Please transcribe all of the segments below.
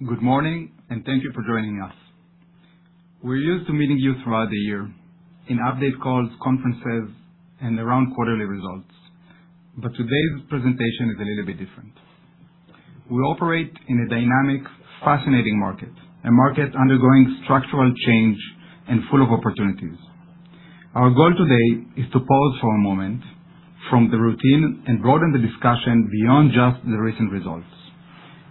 Good morning, thank you for joining us. We're used to meeting you throughout the year in update calls, conferences, and around quarterly results. Today's presentation is a little bit different. We operate in a dynamic, fascinating market, a market undergoing structural change and full of opportunities. Our goal today is to pause for a moment from the routine and broaden the discussion beyond just the recent results.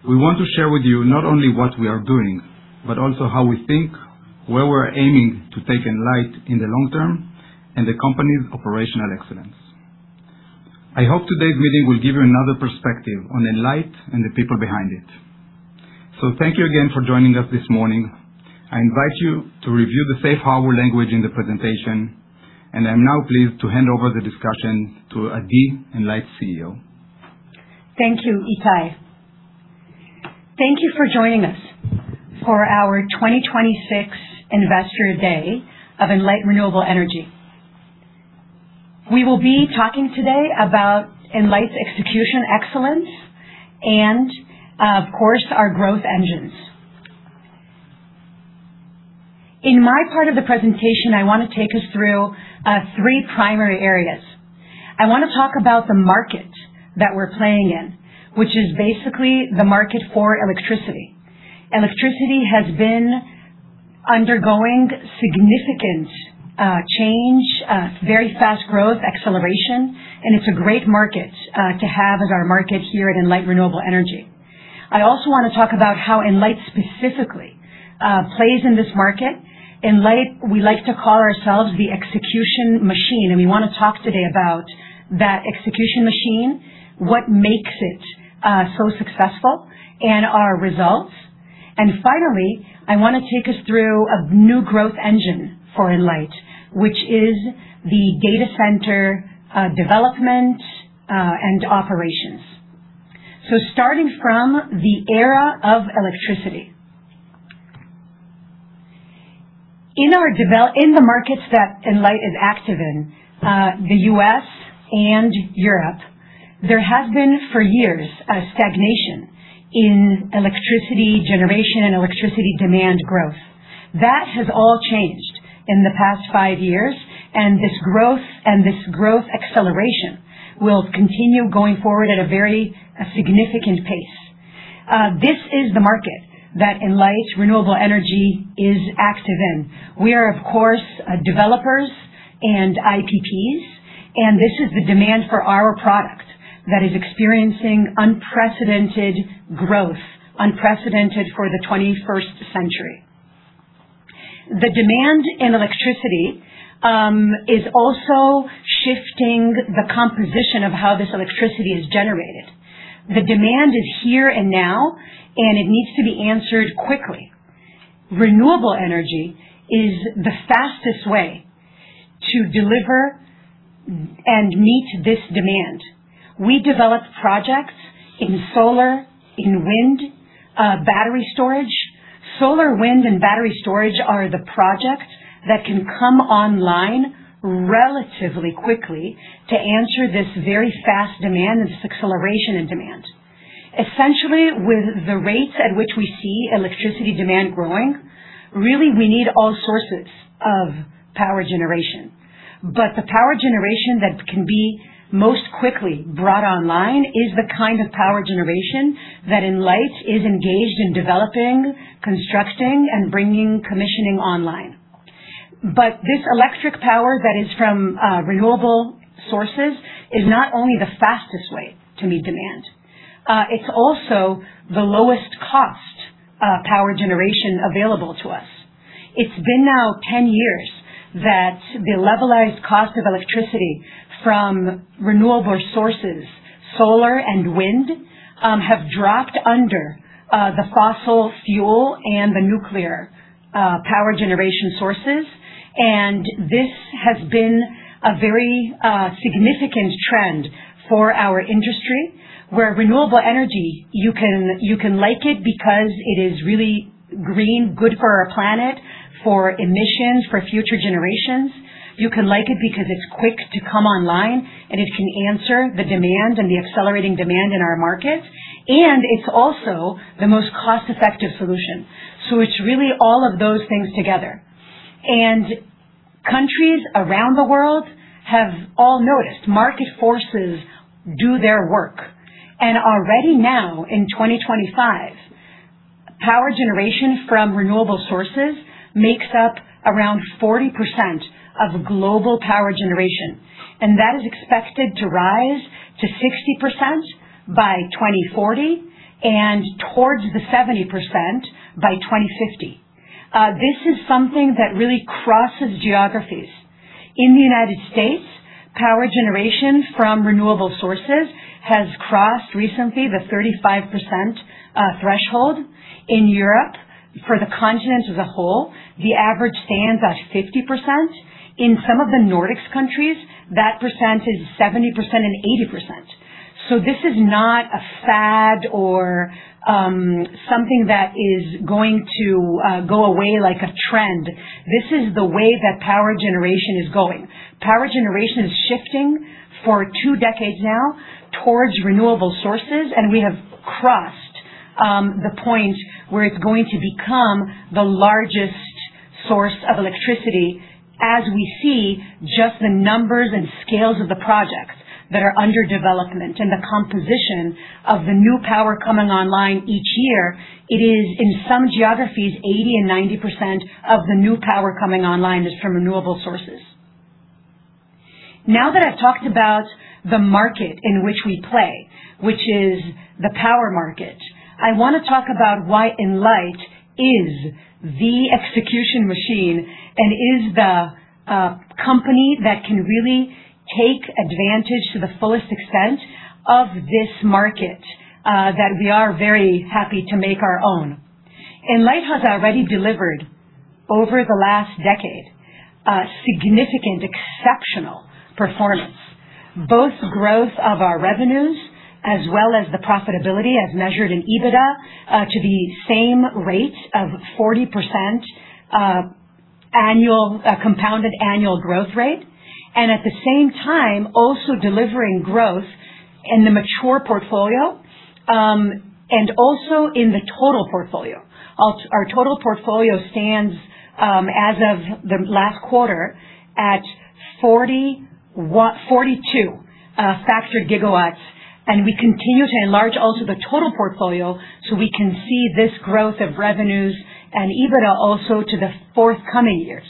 We want to share with you not only what we are doing, but also how we think, where we're aiming to take Enlight in the long term, and the company's operational excellence. I hope today's meeting will give you another perspective on Enlight and the people behind it. Thank you again for joining us this morning. I invite you to review the safe harbor language in the presentation, and I'm now pleased to hand over the discussion to Adi, Enlight's CEO. Thank you, Itay. Thank you for joining us for our 2026 Investor Day of Enlight Renewable Energy. We will be talking today about Enlight's execution excellence and, of course, our growth engines. In my part of the presentation, I want to take us through three primary areas. I want to talk about the market that we're playing in, which is basically the market for electricity. Electricity has been undergoing significant change, very fast growth acceleration, and it's a great market to have as our market here at Enlight Renewable Energy. I also want to talk about how Enlight specifically plays in this market. Enlight, we like to call ourselves the execution machine, and we want to talk today about that execution machine, what makes it so successful, and our results. Finally, I want to take us through a new growth engine for Enlight, which is the data center development and operations. Starting from the era of electricity. In the markets that Enlight is active in, the U.S. and Europe, there has been for years a stagnation in electricity generation and electricity demand growth. That has all changed in the past five years, and this growth acceleration will continue going forward at a very significant pace. This is the market that Enlight Renewable Energy is active in. We are, of course, developers and IPPs, and this is the demand for our product that is experiencing unprecedented growth, unprecedented for the 21st century. The demand in electricity is also shifting the composition of how this electricity is generated. The demand is here and now, and it needs to be answered quickly. Renewable energy is the fastest way to deliver and meet this demand. We develop projects in solar, in wind, battery storage. Solar, wind, and battery storage are the projects that can come online relatively quickly to answer this very fast demand and this acceleration in demand. Essentially, with the rates at which we see electricity demand growing, really, we need all sources of power generation. The power generation that can be most quickly brought online is the kind of power generation that Enlight is engaged in developing, constructing, and bringing commissioning online. This electric power that is from renewable sources is not only the fastest way to meet demand, it's also the lowest cost power generation available to us. It's been now 10 years that the levelized cost of electricity from renewable sources, solar and wind, have dropped under the fossil fuel and the nuclear power generation sources. This has been a very significant trend for our industry, where renewable energy, you can like it because it is really green, good for our planet, for emissions, for future generations. You can like it because it's quick to come online, and it can answer the demand and the accelerating demand in our market. It's also the most cost-effective solution. It's really all of those things together. Countries around the world have all noticed. Market forces do their work. Already now, in 2025, power generation from renewable sources makes up around 40% of global power generation. That is expected to rise to 60% by 2040 and towards the 70% by 2050. This is something that really crosses geographies. In the United States, power generation from renewable sources has crossed recently the 35% threshold. In Europe, for the continent as a whole, the average stands at 50%. In some of the Nordics countries, that percent is 70% and 80%. This is not a fad or something that is going to go away like a trend. This is the way that power generation is going. Power generation is shifting for two decades now towards renewable sources, and we have crossed the point where it's going to become the largest source of electricity. As we see just the numbers and scales of the projects that are under development and the composition of the new power coming online each year, it is, in some geographies, 80% and 90% of the new power coming online is from renewable sources. That I've talked about the market in which we play, which is the power market, I wanna talk about why Enlight is the execution machine and is the company that can really take advantage to the fullest extent of this market that we are very happy to make our own. Enlight has already delivered over the last decade significant exceptional performance, both growth of our revenues as well as the profitability as measured in EBITDA to the same rate of 40% compounded annual growth rate. At the same time, also delivering growth in the mature portfolio, and also in the total portfolio. Our total portfolio stands as of the last quarter at 42 factored gigawatts, and we continue to enlarge also the total portfolio, so we can see this growth of revenues and EBITDA also to the forthcoming years.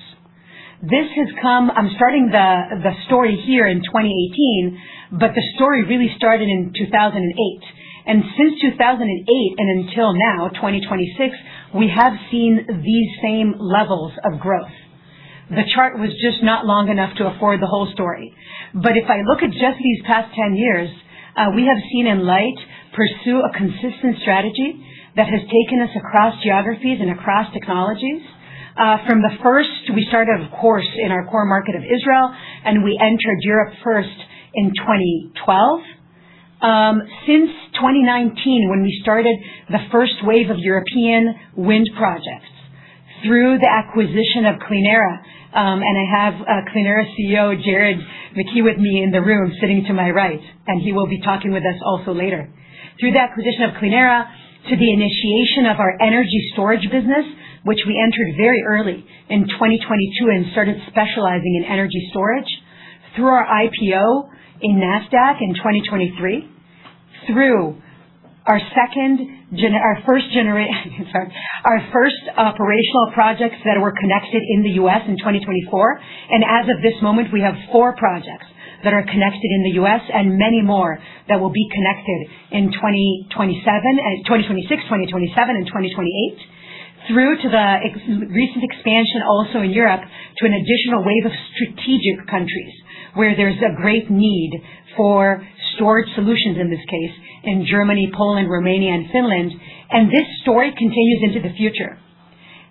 I'm starting the story here in 2018, but the story really started in 2008. Since 2008 and until now, 2026, we have seen these same levels of growth. The chart was just not long enough to afford the whole story. If I look at just these past 10 years, we have seen Enlight pursue a consistent strategy that has taken us across geographies and across technologies. From the first, we started, of course, in our core market of Israel. We entered Europe first in 2012. Since 2019, when we started the first wave of European wind projects through the acquisition of Clenera. I have Clenera CEO, Jared McKee, with me in the room, sitting to my right. He will be talking with us also later. Through the acquisition of Clenera to the initiation of our energy storage business, which we entered very early in 2022 and started specializing in energy storage. Through our IPO in Nasdaq in 2023. Through our first operational projects that were connected in the U.S. in 2024. As of this moment, we have four projects that are connected in the U.S. and many more that will be connected in 2026, 2027, and 2028. Through to the recent expansion also in Europe to an additional wave of strategic countries where there's a great need for storage solutions, in this case, in Germany, Poland, Romania, and Finland. This story continues into the future.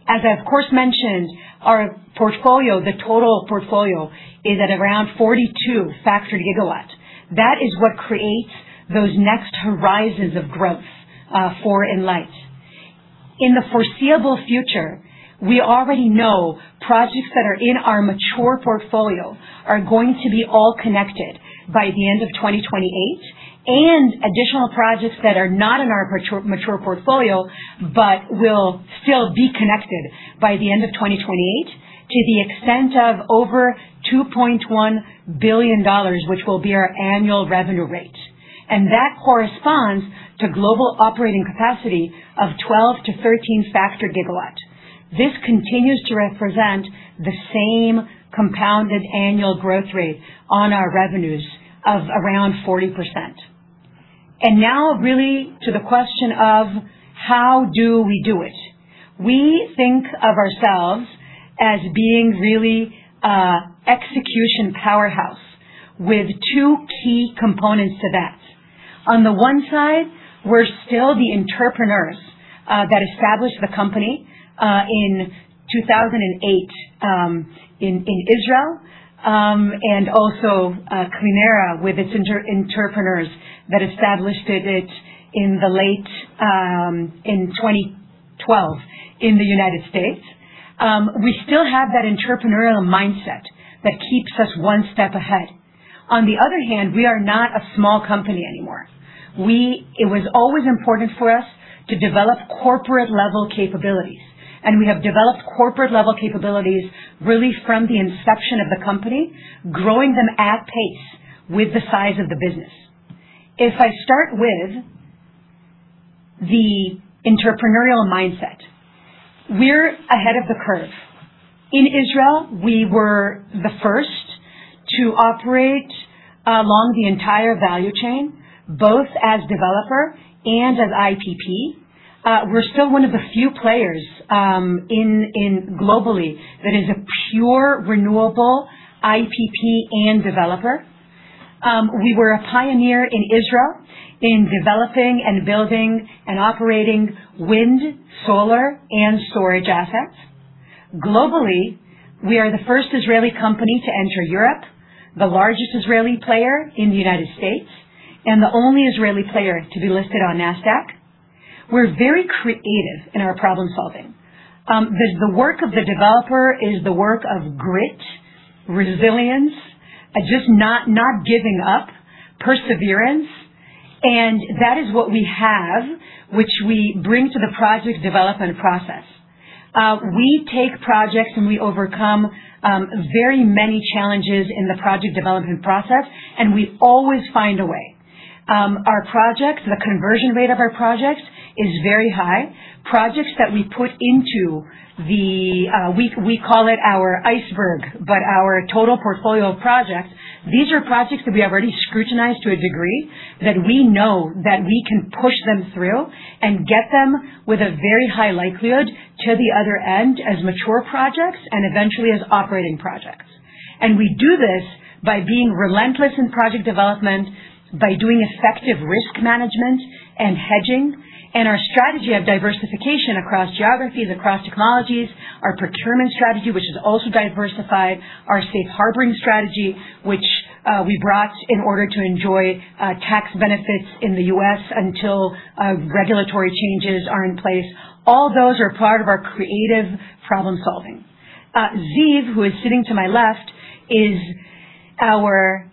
As I, of course, mentioned, our portfolio, the total portfolio, is at around 42 factored gigawatts. That is what creates those next horizons of growth for Enlight. In the foreseeable future, we already know projects that are in our mature portfolio are going to be all connected by the end of 2028. Additional projects that are not in our mature portfolio, but will still be connected by the end of 2028 to the extent of over $2.1 billion, which will be our annual revenue rate. That corresponds to global operating capacity of 12-13 factored gigawatt. This continues to represent the same compounded annual growth rate on our revenues of around 40%. Now really to the question of how do we do it? We think of ourselves as being really a execution powerhouse with two key components to that. On the one side, we're still the entrepreneurs that established the company in 2008 in Israel. Also, Clenera, with its entrepreneurs that established it in 2012 in the United States. We still have that entrepreneurial mindset that keeps us one step ahead. On the other hand, we are not a small company anymore. It was always important for us to develop corporate-level capabilities. We have developed corporate-level capabilities really from the inception of the company, growing them at pace with the size of the business. If I start with the entrepreneurial mindset, we're ahead of the curve. In Israel, we were the first to operate along the entire value chain, both as developer and as IPP. We're still one of the few players, globally that is a pure renewable IPP and developer. We were a pioneer in Israel in developing and building and operating wind, solar, and storage assets. Globally, we are the first Israeli company to enter Europe, the largest Israeli player in the United States, and the only Israeli player to be listed on Nasdaq. We're very creative in our problem-solving. The work of the developer is the work of grit, resilience, just not giving up, perseverance. That is what we have, which we bring to the project development process. We take projects, and we overcome very many challenges in the project development process, and we always find a way. Our projects, the conversion rate of our projects is very high. Projects that we put into the, we call it our iceberg, but our total portfolio of projects, these are projects that we have already scrutinized to a degree that we know that we can push them through and get them with a very high likelihood to the other end as mature projects and eventually as operating projects. We do this by being relentless in project development, by doing effective risk management and hedging, and our strategy of diversification across geographies, across technologies, our procurement strategy, which is also diversified, our safe harboring strategy, which we brought in order to enjoy tax benefits in the U.S. until regulatory changes are in place. All those are part of our creative problem-solving. Ziv, who is sitting to my left, is our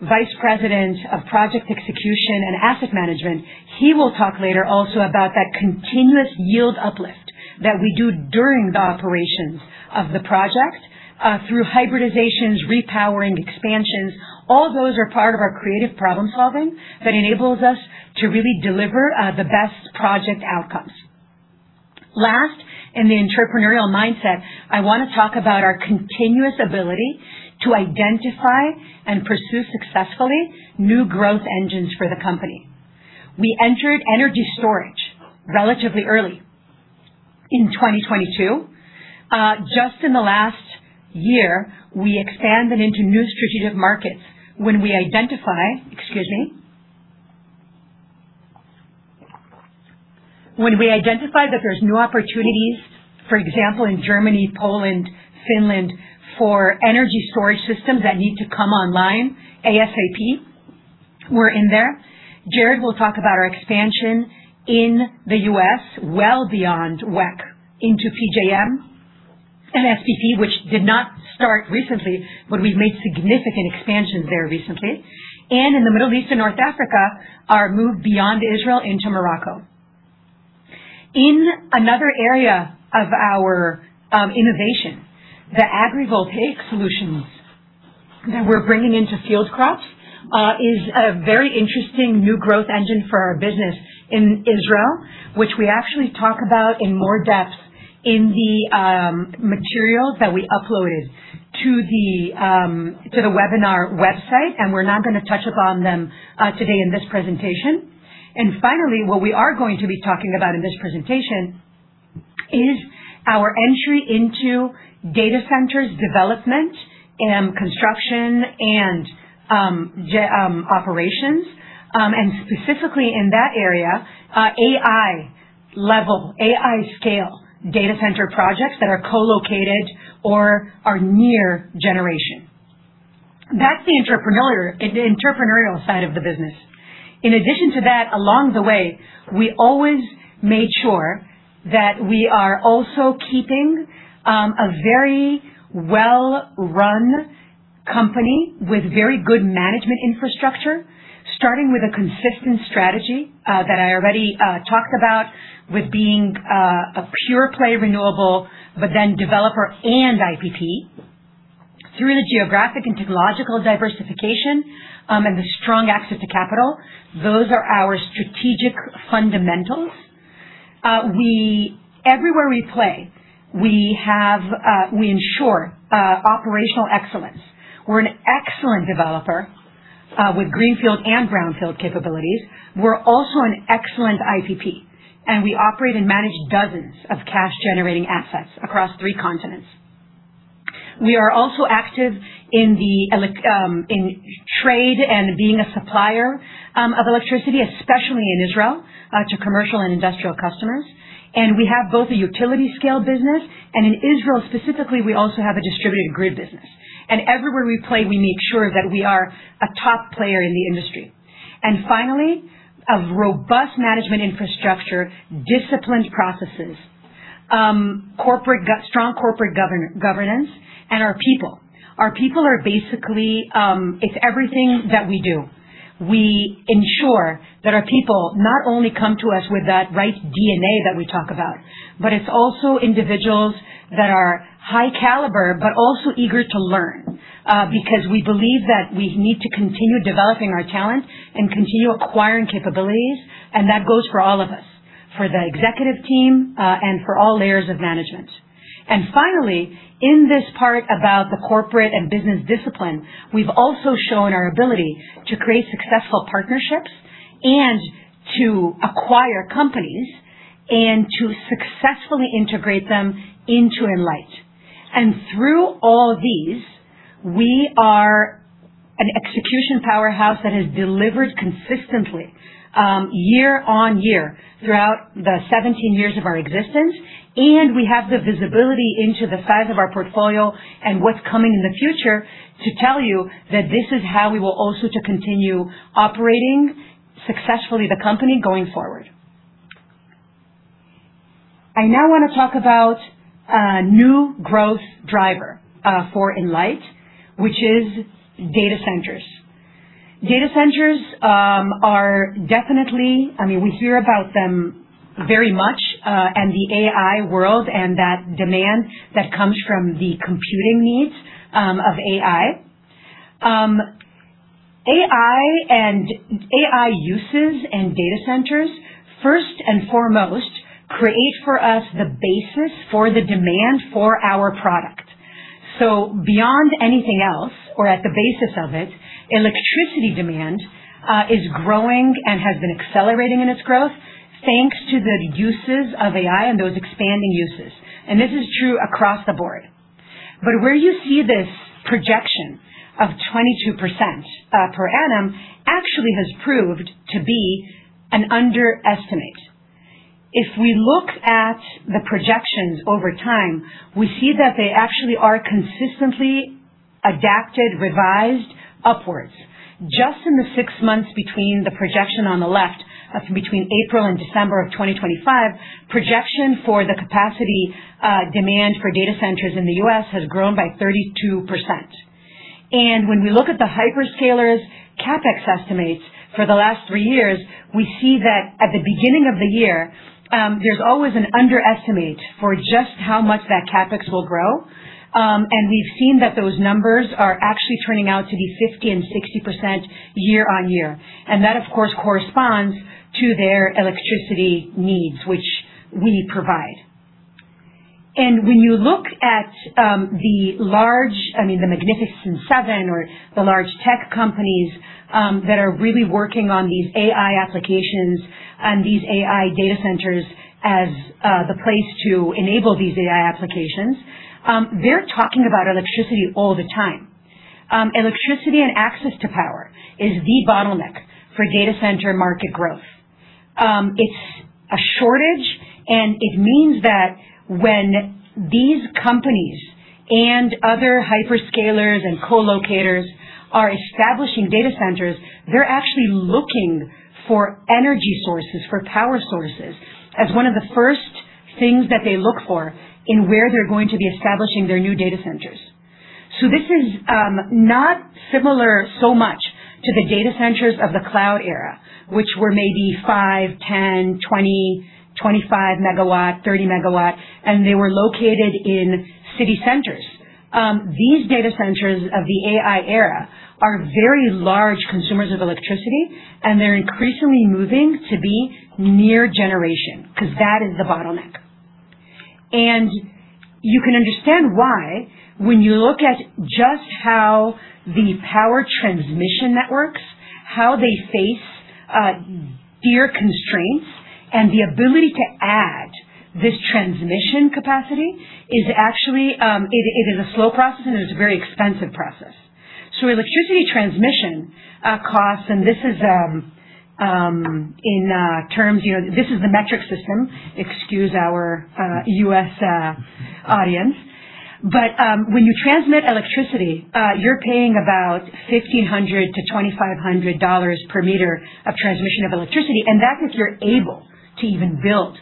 Vice President of Project Execution and Asset Management. He will talk later also about that continuous yield uplift that we do during the operations of the project, through hybridizations, repowering, expansions. All those are part of our creative problem-solving that enables us to really deliver the best project outcomes. Last, in the entrepreneurial mindset, I wanna talk about our continuous ability to identify and pursue successfully new growth engines for the company. We entered energy storage relatively early in 2022. Just in the last year, we expanded into new strategic markets. When we identify that there's new opportunities, for example, in Germany, Poland, Finland, for energy storage systems that need to come online ASAP, we're in there. Jared will talk about our expansion in the U.S. well beyond WECC into PJM and SPP, which did not start recently, but we've made significant expansions there recently. In the Middle East and North Africa, our move beyond Israel into Morocco. In another area of our innovation, the agrivoltaic solutions that we're bringing into field crops is a very interesting new growth engine for our business in Israel, which we actually talk about in more depth in the materials that we uploaded to the webinar website, and we're not gonna touch upon them today in this presentation. Finally, what we are going to be talking about in this presentation is our entry into data centers development and construction and operations, and specifically in that area, AI level, AI scale data center projects that are co-located or are near generation. That's the entrepreneurial side of the business. In addition to that, along the way, we always made sure that we are also keeping a very well-run company with very good management infrastructure, starting with a consistent strategy that I already talked about with being a pure play renewable developer and IPP. Through the geographic and technological diversification, the strong access to capital, those are our strategic fundamentals. Everywhere we play, we have, we ensure operational excellence. We're an excellent developer with greenfield and brownfield capabilities. We're also an excellent IPP, we operate and manage dozens of cash-generating assets across three continents. We are also active in trade and being a supplier of electricity, especially in Israel, to commercial and industrial customers. We have both a utility scale business, and in Israel specifically, we also have a distributed grid business. Everywhere we play, we make sure that we are a top player in the industry. Finally, a robust management infrastructure, disciplined processes, strong corporate governance, and our people. Our people are basically, it's everything that we do. We ensure that our people not only come to us with that right DNA that we talk about, but it's also individuals that are high caliber, but also eager to learn, because we believe that we need to continue developing our talent and continue acquiring capabilities, and that goes for all of us, for the executive team, and for all layers of management. Finally, in this part about the corporate and business discipline, we've also shown our ability to create successful partnerships and to acquire companies and to successfully integrate them into Enlight. Through all these, we are an execution powerhouse that has delivered consistently, year on year throughout the 17 years of our existence. We have the visibility into the size of our portfolio and what's coming in the future to tell you that this is how we will also to continue operating successfully the company going forward. I now wanna talk about new growth driver for Enlight, which is data centers. Data centers, I mean, we hear about them very much, and the AI world and that demand that comes from the computing needs of AI. AI uses and data centers, first and foremost, create for us the basis for the demand for our product. Beyond anything else or at the basis of it, electricity demand is growing and has been accelerating in its growth, thanks to the uses of AI and those expanding uses. This is true across the board. Where you see this projection of 22% per annum, actually has proved to be an underestimate. If we look at the projections over time, we see that they actually are consistently adapted, revised upwards. Just in the six months between the projection on the left, between April and December of 2025, projection for the capacity demand for data centers in the U.S. has grown by 32%. When we look at the hyperscalers CapEx estimates for the last three years, we see that at the beginning of the year, there's always an underestimate for just how much that CapEx will grow. We've seen that those numbers are actually turning out to be 50% and 60% year-over-year. That, of course, corresponds to their electricity needs, which we provide. When you look at, I mean, the Magnificent Seven or the large tech companies, that are really working on these AI applications and these AI data centers as, the place to enable these AI applications, they're talking about electricity all the time. Electricity and access to power is the bottleneck for data center market growth. It's a shortage, it means that when these companies and other hyperscalers and co-locators are establishing data centers, they're actually looking for energy sources, for power sources, as one of the first things that they look for in where they're going to be establishing their new data centers. This is not similar so much to the data centers of the cloud era, which were maybe five, 10, 20, 25 MW, 30 MW, and they were located in city centers. These data centers of the AI era are very large consumers of electricity, and they're increasingly moving to be near generation, 'cause that is the bottleneck. You can understand why when you look at just how the power transmission networks, how they face dire constraints and the ability to add this transmission capacity is actually, it is a slow process and it's a very expensive process. Electricity transmission costs, and this is in terms, you know, this is the metric system. Excuse our U.S. audience. When you transmit electricity, you're paying about $1,500-$2,500 per meter of transmission of electricity, and that is if you're able to even build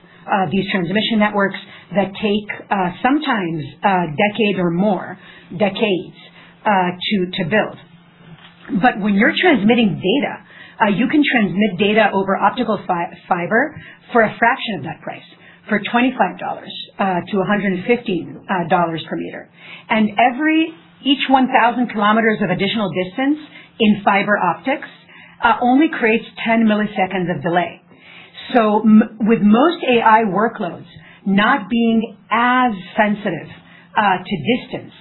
these transmission networks that take sometimes a decade or more decades to build. When you're transmitting data, you can transmit data over optical fiber for a fraction of that price, for $25 to $150 per meter. Each 1,000 kilometers of additional distance in fiber optics only creates 10 milliseconds of delay. With most AI workloads not being as sensitive to distance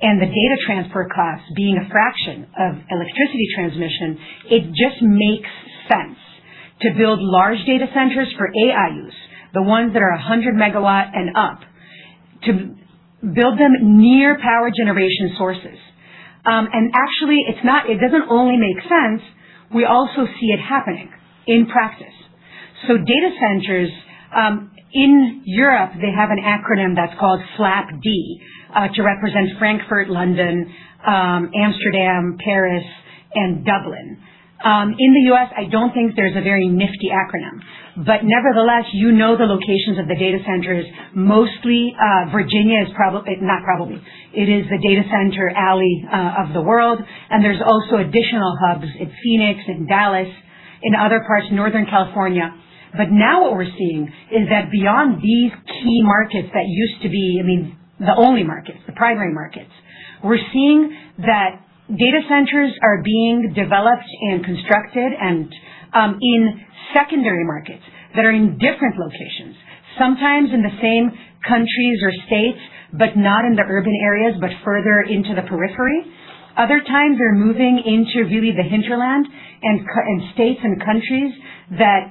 and the data transfer costs being a fraction of electricity transmission, it just makes sense to build large data centers for AI use, the ones that are 100 megawatt and up, to build them near power generation sources. Actually, it doesn't only make sense, we also see it happening in practice. Data centers in Europe, they have an acronym that's called FLAP-D to represent Frankfurt, London, Amsterdam, Paris, and Dublin. In the U.S., I don't think there's a very nifty acronym. Nevertheless, you know the locations of the data centers. Mostly, Virginia is not probably. It is the data center alley of the world, and there's also additional hubs in Phoenix and Dallas, in other parts, Northern California. Now what we're seeing is that beyond these key markets that used to be, I mean, the only markets, the primary markets, we're seeing that data centers are being developed and constructed in secondary markets that are in different locations, sometimes in the same countries or states, but not in the urban areas, but further into the periphery. Other times, they're moving into really the hinterland and states and countries that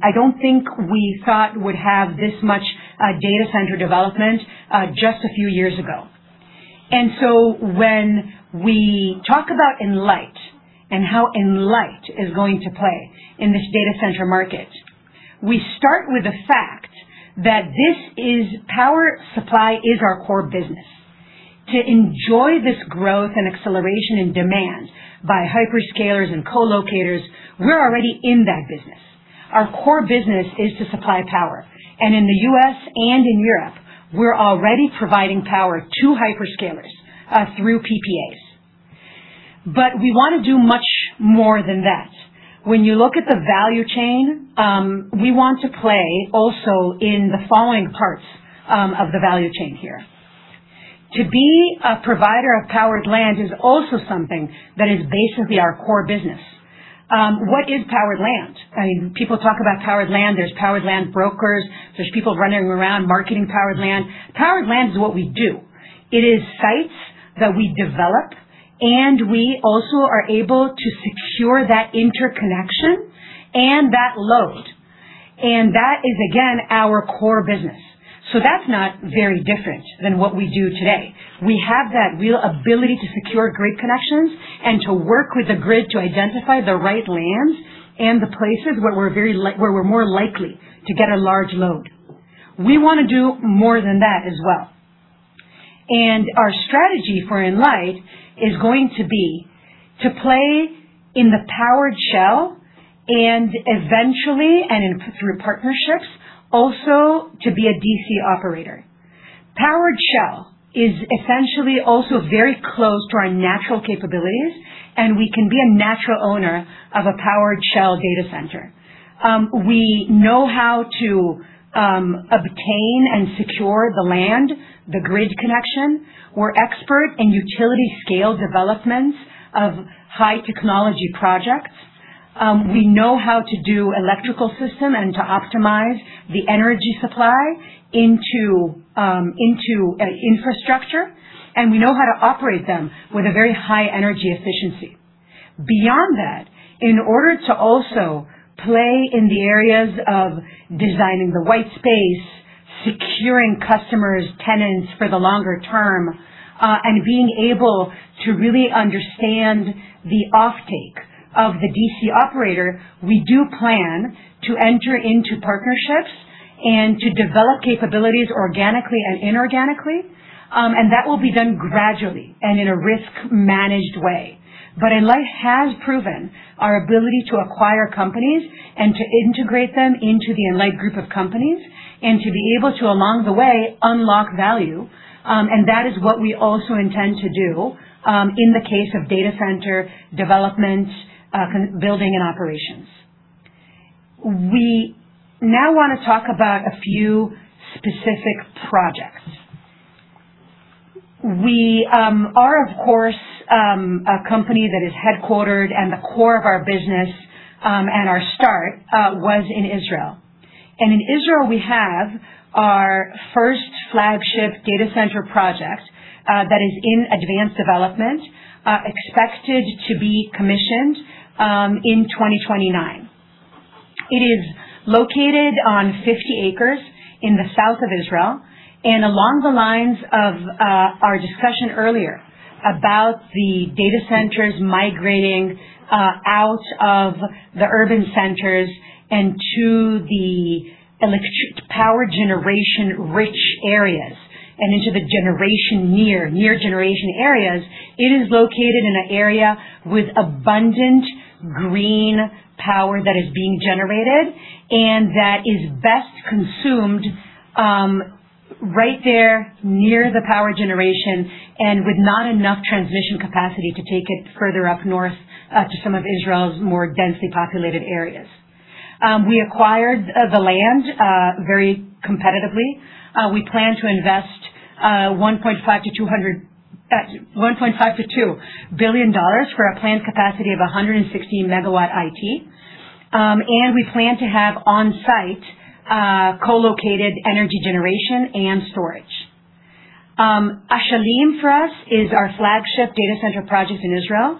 I don't think we thought would have this much data center development just a few years ago. When we talk about Enlight and how Enlight is going to play in this data center market, we start with the fact that power supply is our core business. To enjoy this growth and acceleration in demand by hyperscalers and co-locators, we're already in that business. Our core business is to supply power. In the U.S. and in Europe, we're already providing power to hyperscalers through PPAs. We want to do much more than that. When you look at the value chain, we want to play also in the following parts of the value chain here. To be a provider of powered land is also something that is basically our core business. What is powered land? I mean, people talk about powered land. There's powered land brokers. There's people running around marketing powered land. Powered land is what we do. It is sites that we develop, and we also are able to secure that interconnection and that load. That is, again, our core business. That's not very different than what we do today. We have that real ability to secure great connections and to work with the grid to identify the right land and the places where we're more likely to get a large load. We want to do more than that as well. Our strategy for Enlight is going to be to play in the powered shell and eventually, through partnerships, also to be a DC operator. Powered shell is essentially also very close to our natural capabilities, and we can be a natural owner of a powered shell data center. We know how to obtain and secure the land, the grid connection. We're expert in utility scale developments of high technology projects. We know how to do electrical system and to optimize the energy supply into an infrastructure, and we know how to operate them with a very high energy efficiency. Beyond that, in order to also play in the areas of designing the white space, securing customers, tenants for the longer term, and being able to really understand the offtake of the DC operator, we do plan to enter into partnerships and to develop capabilities organically and inorganically. That will be done gradually and in a risk-managed way. Enlight has proven our ability to acquire companies and to integrate them into the Enlight group of companies and to be able to, along the way, unlock value, and that is what we also intend to do in the case of data center development, building and operations. We now want to talk about a few specific projects. We are of course a company that is headquartered, and the core of our business, and our start was in Israel. In Israel, we have our first flagship data center project that is in advanced development, expected to be commissioned in 2029. It is located on 50 acres in the south of Israel. Along the lines of our discussion earlier about the data centers migrating out of the urban centers and to the power generation-rich areas and into the near generation areas, it is located in an area with abundant green power that is being generated, and that is best consumed right there near the power generation and with not enough transition capacity to take it further up north to some of Israel's more densely populated areas. We acquired the land very competitively. We plan to invest $1.5 billion-$2 billion for a planned capacity of 116 MW IT. We plan to have on-site, co-located energy generation and storage. Ashalim, for us, is our flagship data center project in Israel,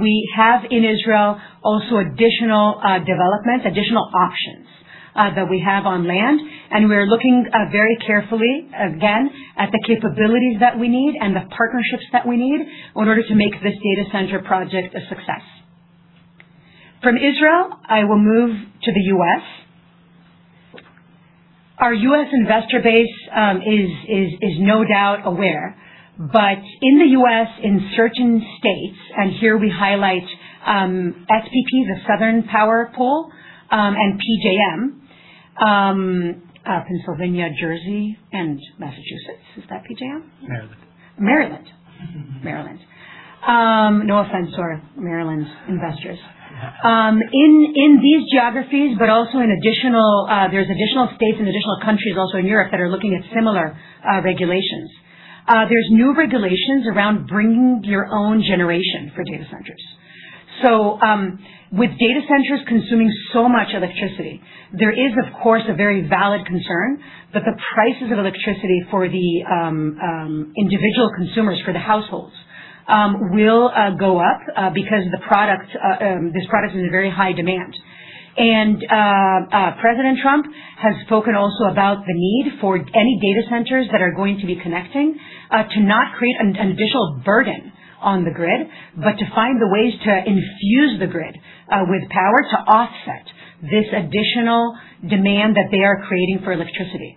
we have in Israel also additional development, additional options that we have on land, and we're looking very carefully, again, at the capabilities that we need and the partnerships that we need in order to make this data center project a success. From Israel, I will move to the U.S. Our U.S. investor base is no doubt aware, in the U.S., in certain states, and here we highlight SPP, the Southwest Power Pool, and PJM, Pennsylvania, Jersey, and Massachusetts. Is that PJM? Maryland. Maryland. Maryland. No offense to our Maryland investors. In these geographies, but also in additional states and additional countries also in Europe that are looking at similar regulations. There's new regulations around bringing your own generation for data centers. With data centers consuming so much electricity, there is, of course, a very valid concern that the prices of electricity for the individual consumers, for the households will go up because the product, this product is in very high demand. President Trump has spoken also about the need for any data centers that are going to be connecting to not create an additional burden on the grid, but to find the ways to infuse the grid with power to offset this additional demand that they are creating for electricity.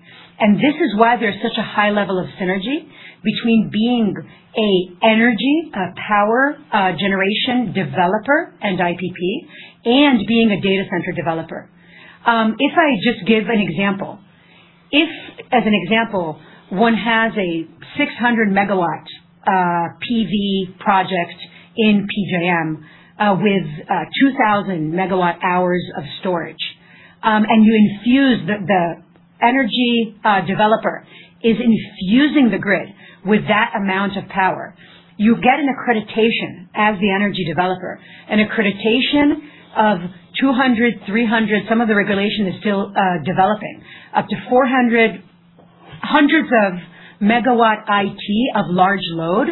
This is why there's such a high level of synergy between being an energy, a power, a generation developer and IPP and being a data center developer. If I just give an example. If, as an example, one has a 600 megawatt PV project in PJM with 2,000 megawatt hours of storage, and you infuse the energy developer is infusing the grid with that amount of power, you get an accreditation as the energy developer, an accreditation of 200, 300, some of the regulation is still developing, up to 400, 100's of megawatt of large load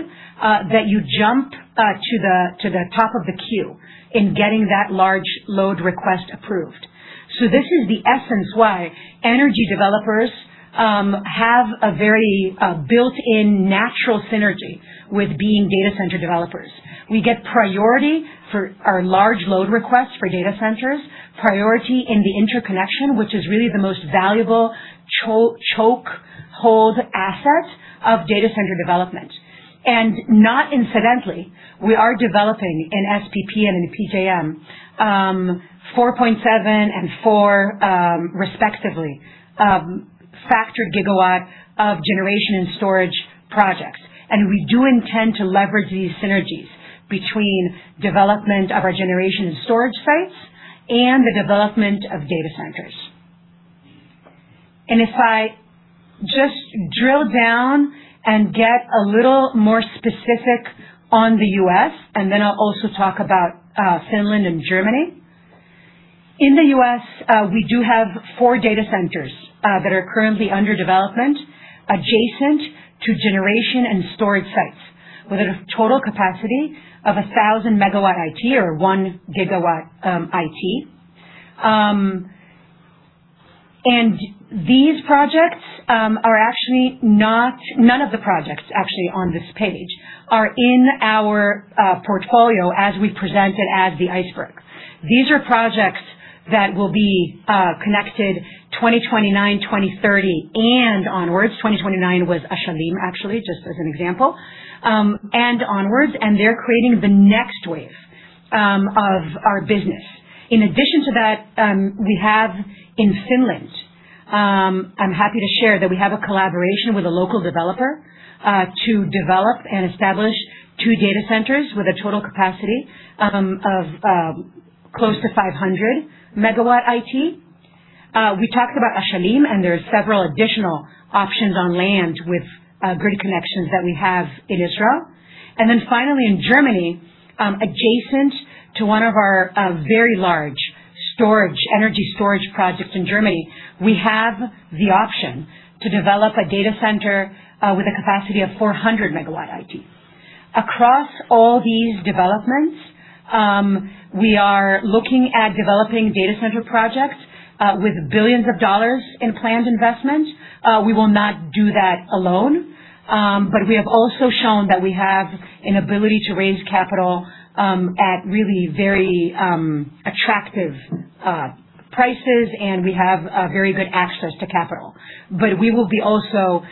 that you jump to the top of the queue in getting that large load request approved. This is the essence why energy developers have a very built-in natural synergy with being data center developers. We get priority for our large load requests for data centers, priority in the interconnection, which is really the most valuable choke hold asset of data center development. Not incidentally, we are developing in SPP and in PJM, 4.7 and four, respectively, factor gigawatt of generation and storage projects. We do intend to leverage these synergies between development of our generation and storage sites and the development of data centers. If I just drill down and get a little more specific on the U.S., then I'll also talk about Finland and Germany. In the U.S., we do have four data centers that are currently under development adjacent to generation and storage sites with a total capacity of 1,000 MW IT or 1 gigawatt IT. None of the projects actually on this page are in our portfolio as we present it as the iceberg. These are projects that will be connected 2029, 2030 and onwards. 2029 was Ashalim, actually, just as an example, onwards, and they're creating the next wave of our business. In addition to that, we have in Finland, I'm happy to share that we have a collaboration with a local developer to develop and establish two data centers with a total capacity of close to 500 MW IT. We talked about Ashalim, and there are several additional options on land with grid connections that we have in Israel. Finally, in Germany, adjacent to one of our very large energy storage projects in Germany, we have the option to develop a data center with a capacity of 400 MW IT. Across all these developments, we are looking at developing data center projects with billions of dollars in planned investment. We will not do that alone, but we have also shown that we have an ability to raise capital at really very attractive prices, and we have a very good access to capital. We will be also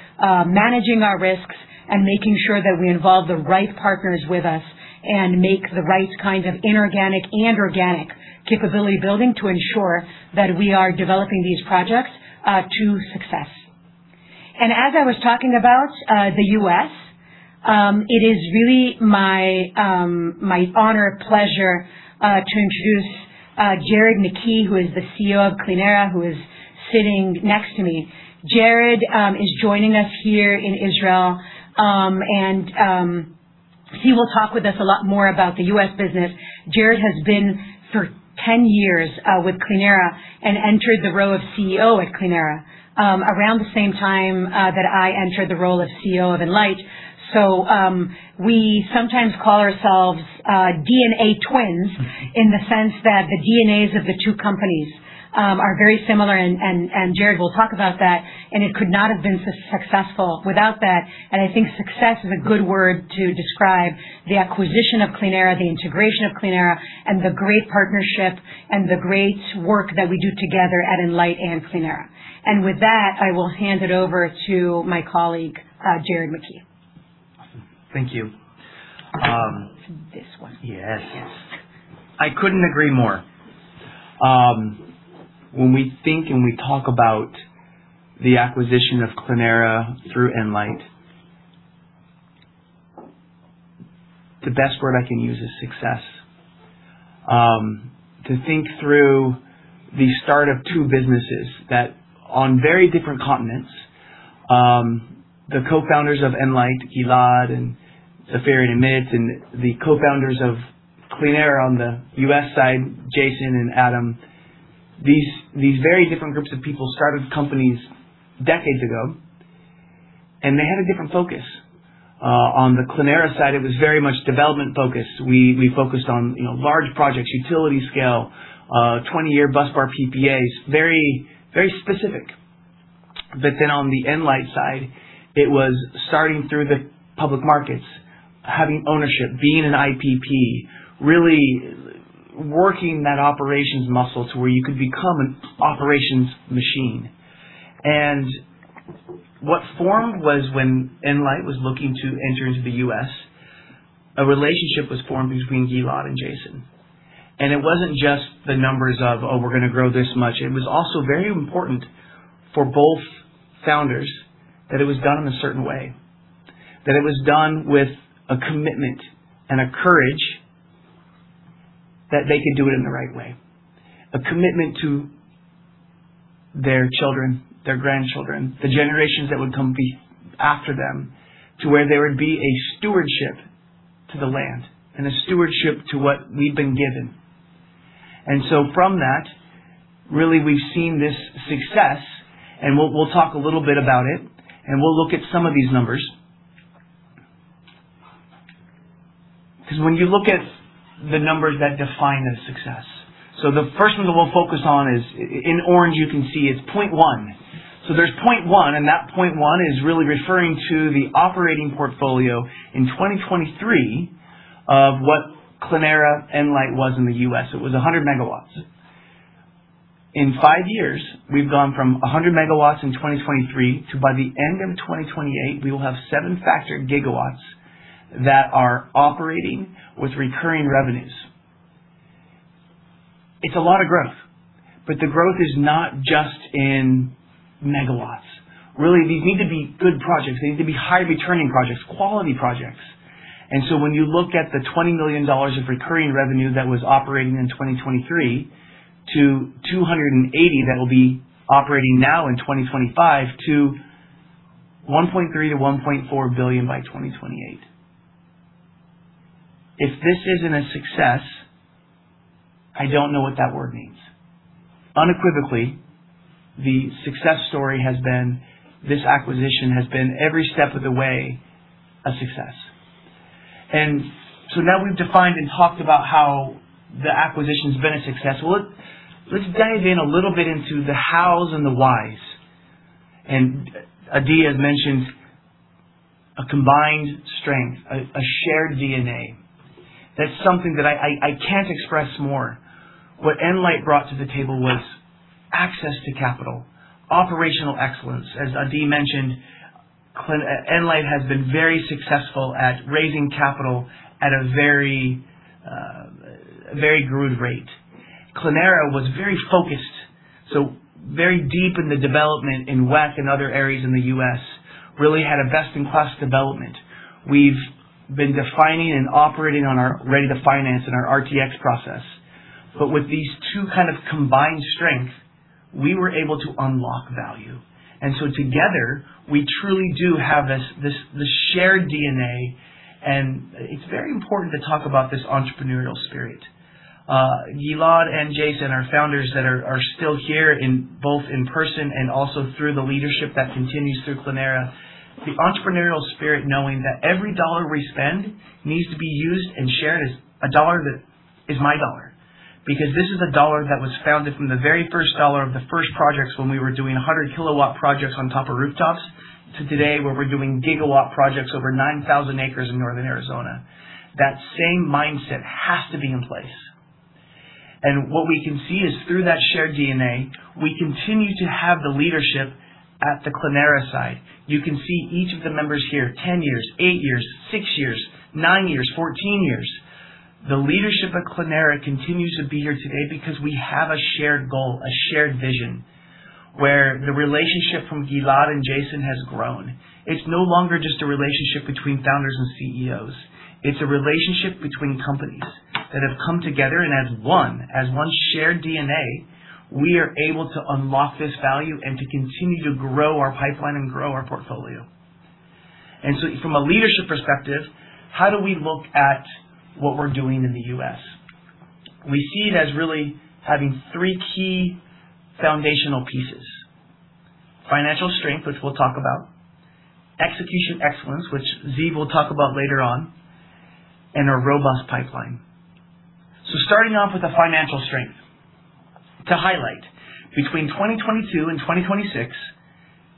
managing our risks and making sure that we involve the right partners with us and make the right kinds of inorganic and organic capability building to ensure that we are developing these projects to success. As I was talking about the U.S., it is really my honor and pleasure to introduce Jared McKee, who is the CEO of Clenera, who is sitting next to me. Jared is joining us here in Israel, and he will talk with us a lot more about the U.S. business. Jared has been for 10 years with Clenera and entered the role of CEO at Clenera around the same time that I entered the role of CEO of Enlight. We sometimes call ourselves DNA twins in the sense that the DNAs of the two companies are very similar and Jared will talk about that, and it could not have been successful without that. I think success is a good word to describe the acquisition of Clenera, the integration of Clenera, and the great partnership and the great work that we do together at Enlight and Clenera. With that, I will hand it over to my colleague, Jared McKee. Thank you. It's this one. Yes. I couldn't agree more. When we think and we talk about the acquisition of Clenera through Enlight, the best word I can use is success. To think through the start of two businesses that on very different continents, the co-founders of Enlight, Gilad and Zafrir and Amit, and the co-founders of Clenera on the U.S. side, Jason and Adam. These very different groups of people started companies decades ago, they had a different focus. On the Clenera side, it was very much development-focused. We focused on, you know, large projects, utility scale, 20-year busbar PPAs, very, very specific. On the Enlight side, it was starting through the public markets, having ownership, being an IPP, really working that operations muscle to where you could become an operations machine. What formed was when Enlight was looking to enter into the U.S., a relationship was formed between Gilad and Jason. It wasn't just the numbers of, oh, we're gonna grow this much. It was also very important for both founders that it was done in a certain way, that it was done with a commitment and a courage that they could do it in the right way. A commitment to their children, their grandchildren, the generations that would come after them, to where there would be a stewardship to the land and a stewardship to what we've been given. From that, really, we've seen this success, and we'll talk a little bit about it, and we'll look at some of these numbers. When you look at the numbers that define the success. The first one that we'll focus on is, in orange you can see is 0.1. There's 0.1, and that 0.1 is really referring to the operating portfolio in 2023 of what Clenera, Enlight was in the U.S. It was 100 MW. In five years, we've gone from 100 MW in 2023 to, by the end of 2028, we will have seven factor gigawatts that are operating with recurring revenues. It's a lot of growth, but the growth is not just in MW. Really, they need to be good projects. They need to be high-returning projects, quality projects. When you look at the $20 million of recurring revenue that was operating in 2023 to $280 million that will be operating now in 2025 to $1.3 billion-$1.4 billion by 2028. If this isn't a success, I don't know what that word means. Unequivocally, the success story has been, this acquisition has been every step of the way a success. Now we've defined and talked about how the acquisition's been a success. Well, let's dive in a little bit into the hows and the whys. Adi has mentioned a combined strength, a shared DNA. That's something that I can't express more. What Enlight brought to the table was access to capital, operational excellence. As Adi mentioned, Enlight has been very successful at raising capital at a very good rate. Clenera was very focused, so very deep in the development in WECC and other areas in the U.S., really had a best-in-class development. We've been defining and operating on our Ready to Finance and our RTF process. With these two kind of combined strengths, we were able to unlock value. Together, we truly do have this shared DNA, and it's very important to talk about this entrepreneurial spirit. Gilad and Jason, our founders that are still here both in person and also through the leadership that continues through Clenera. The entrepreneurial spirit, knowing that every dollar we spend needs to be used and shared as a dollar that is my dollar. This is a dollar that was founded from the very first dollar of the first projects when we were doing 100 kW projects on top of rooftops to today, where we're doing gigawatt projects over 9,000 acres in northern Arizona. That same mindset has to be in place. What we can see is through that shared DNA, we continue to have the leadership at the Clenera side. You can see each of the members here, 10 years, eight years, six years, nine years, 14 years. The leadership at Clenera continues to be here today because we have a shared goal, a shared vision, where the relationship from Gilad and Jason has grown. It's no longer just a relationship between founders and CEOs. It's a relationship between companies that have come together and as one, as one shared DNA, we are able to unlock this value and to continue to grow our pipeline and grow our portfolio. From a leadership perspective, how do we look at what we're doing in the U.S.? We see it as really having three key foundational pieces: financial strength, which we'll talk about, execution excellence, which Ziv will talk about later on, and a robust pipeline. Starting off with the financial strength. To highlight, between 2022 and 2026,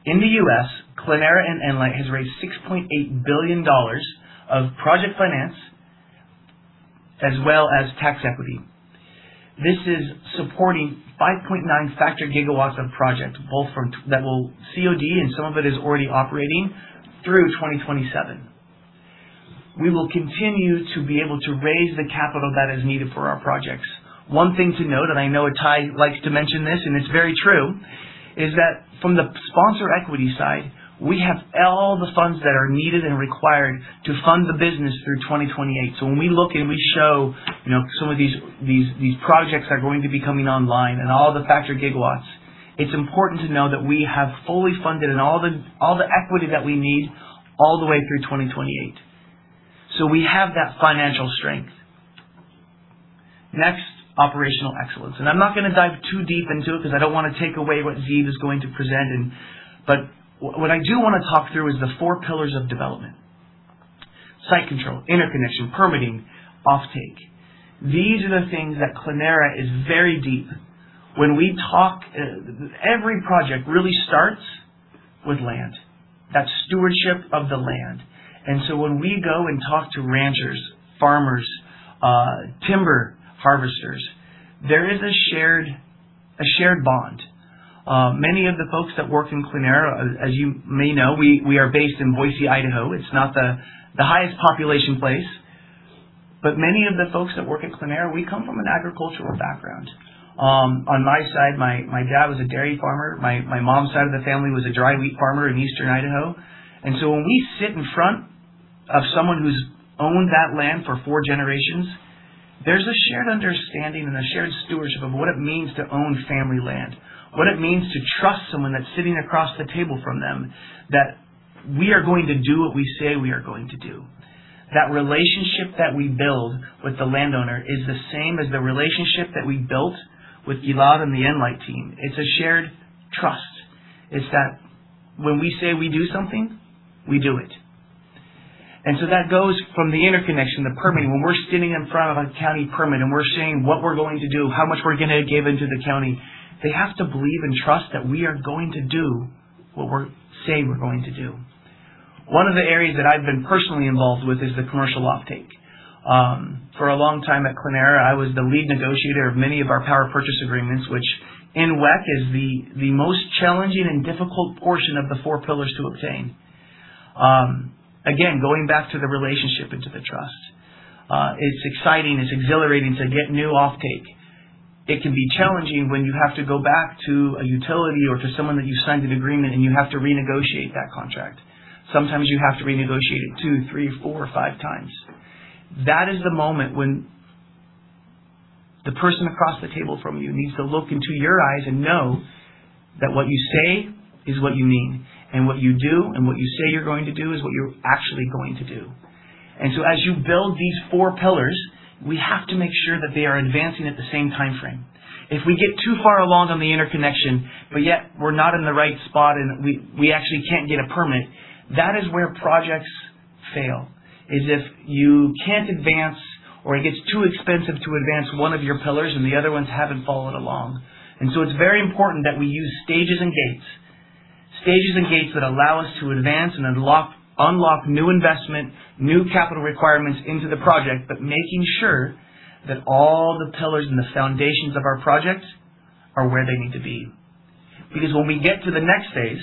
in the U.S., Clenera and Enlight has raised $6.8 billion of project finance as well as tax equity. This is supporting 5.9 gigawatts of project that will COD, and some of it is already operating through 2027. We will continue to be able to raise the capital that is needed for our projects. One thing to note, and I know Itay likes to mention this, and it's very true, is that from the sponsor equity side, we have all the funds that are needed and required to fund the business through 2028. When we look and we show, you know, some of these projects are going to be coming online and all the factor gigawatts, it's important to know that we have fully funded and all the equity that we need all the way through 2028. We have that financial strength. Next, operational excellence. I'm not gonna dive too deep into it 'cause I don't wanna take away what Ziv is going to present and But what I do wanna talk through is the four pillars of development. Site control, interconnection, permitting, offtake. These are the things that Clenera is very deep. Every project really starts with land. That's stewardship of the land. When we go and talk to ranchers, farmers, timber harvesters, there is a shared bond. Many of the folks that work in Clenera, as you may know, we are based in Boise, Idaho. It's not the highest population place, but many of the folks that work at Clenera, we come from an agricultural background. On my side, my dad was a dairy farmer. My mom's side of the family was a dry wheat farmer in eastern Idaho. When we sit in front of someone who's owned that land for four generations, there's a shared understanding and a shared stewardship of what it means to own family land, what it means to trust someone that's sitting across the table from them, that we are going to do what we say we are going to do. That relationship that we build with the landowner is the same as the relationship that we built with Gilad and the Enlight team. It's a shared trust. It's that when we say we do something, we do it. That goes from the interconnection, the permitting. When we're sitting in front of a county permit, and we're saying what we're going to do, how much we're gonna give into the county, they have to believe and trust that we are going to do what we're saying we're going to do. One of the areas that I've been personally involved with is the commercial offtake. For a long time at Clenera, I was the lead negotiator of many of our power purchase agreements, which in WECC is the most challenging and difficult portion of the four pillars to obtain. Going back to the relationship and to the trust. It's exciting, it's exhilarating to get new offtake. It can be challenging when you have to go back to a utility or to someone that you signed an agreement, and you have to renegotiate that contract. Sometimes you have to renegotiate it two three, four, five times. That is the moment when the person across the table from you needs to look into your eyes and know that what you say is what you mean, and what you do and what you say you're going to do is what you're actually going to do. As you build these four pillars, we have to make sure that they are advancing at the same timeframe. If we get too far along on the interconnection, but yet we're not in the right spot and we actually can't get a permit, that is where projects fail, is if you can't advance or it gets too expensive to advance one of your pillars and the other ones haven't followed along. It's very important that we use stages and gates. Stages and gates that allow us to advance and unlock new investment, new capital requirements into the project, but making sure that all the pillars and the foundations of our projects are where they need to be. When we get to the next phase,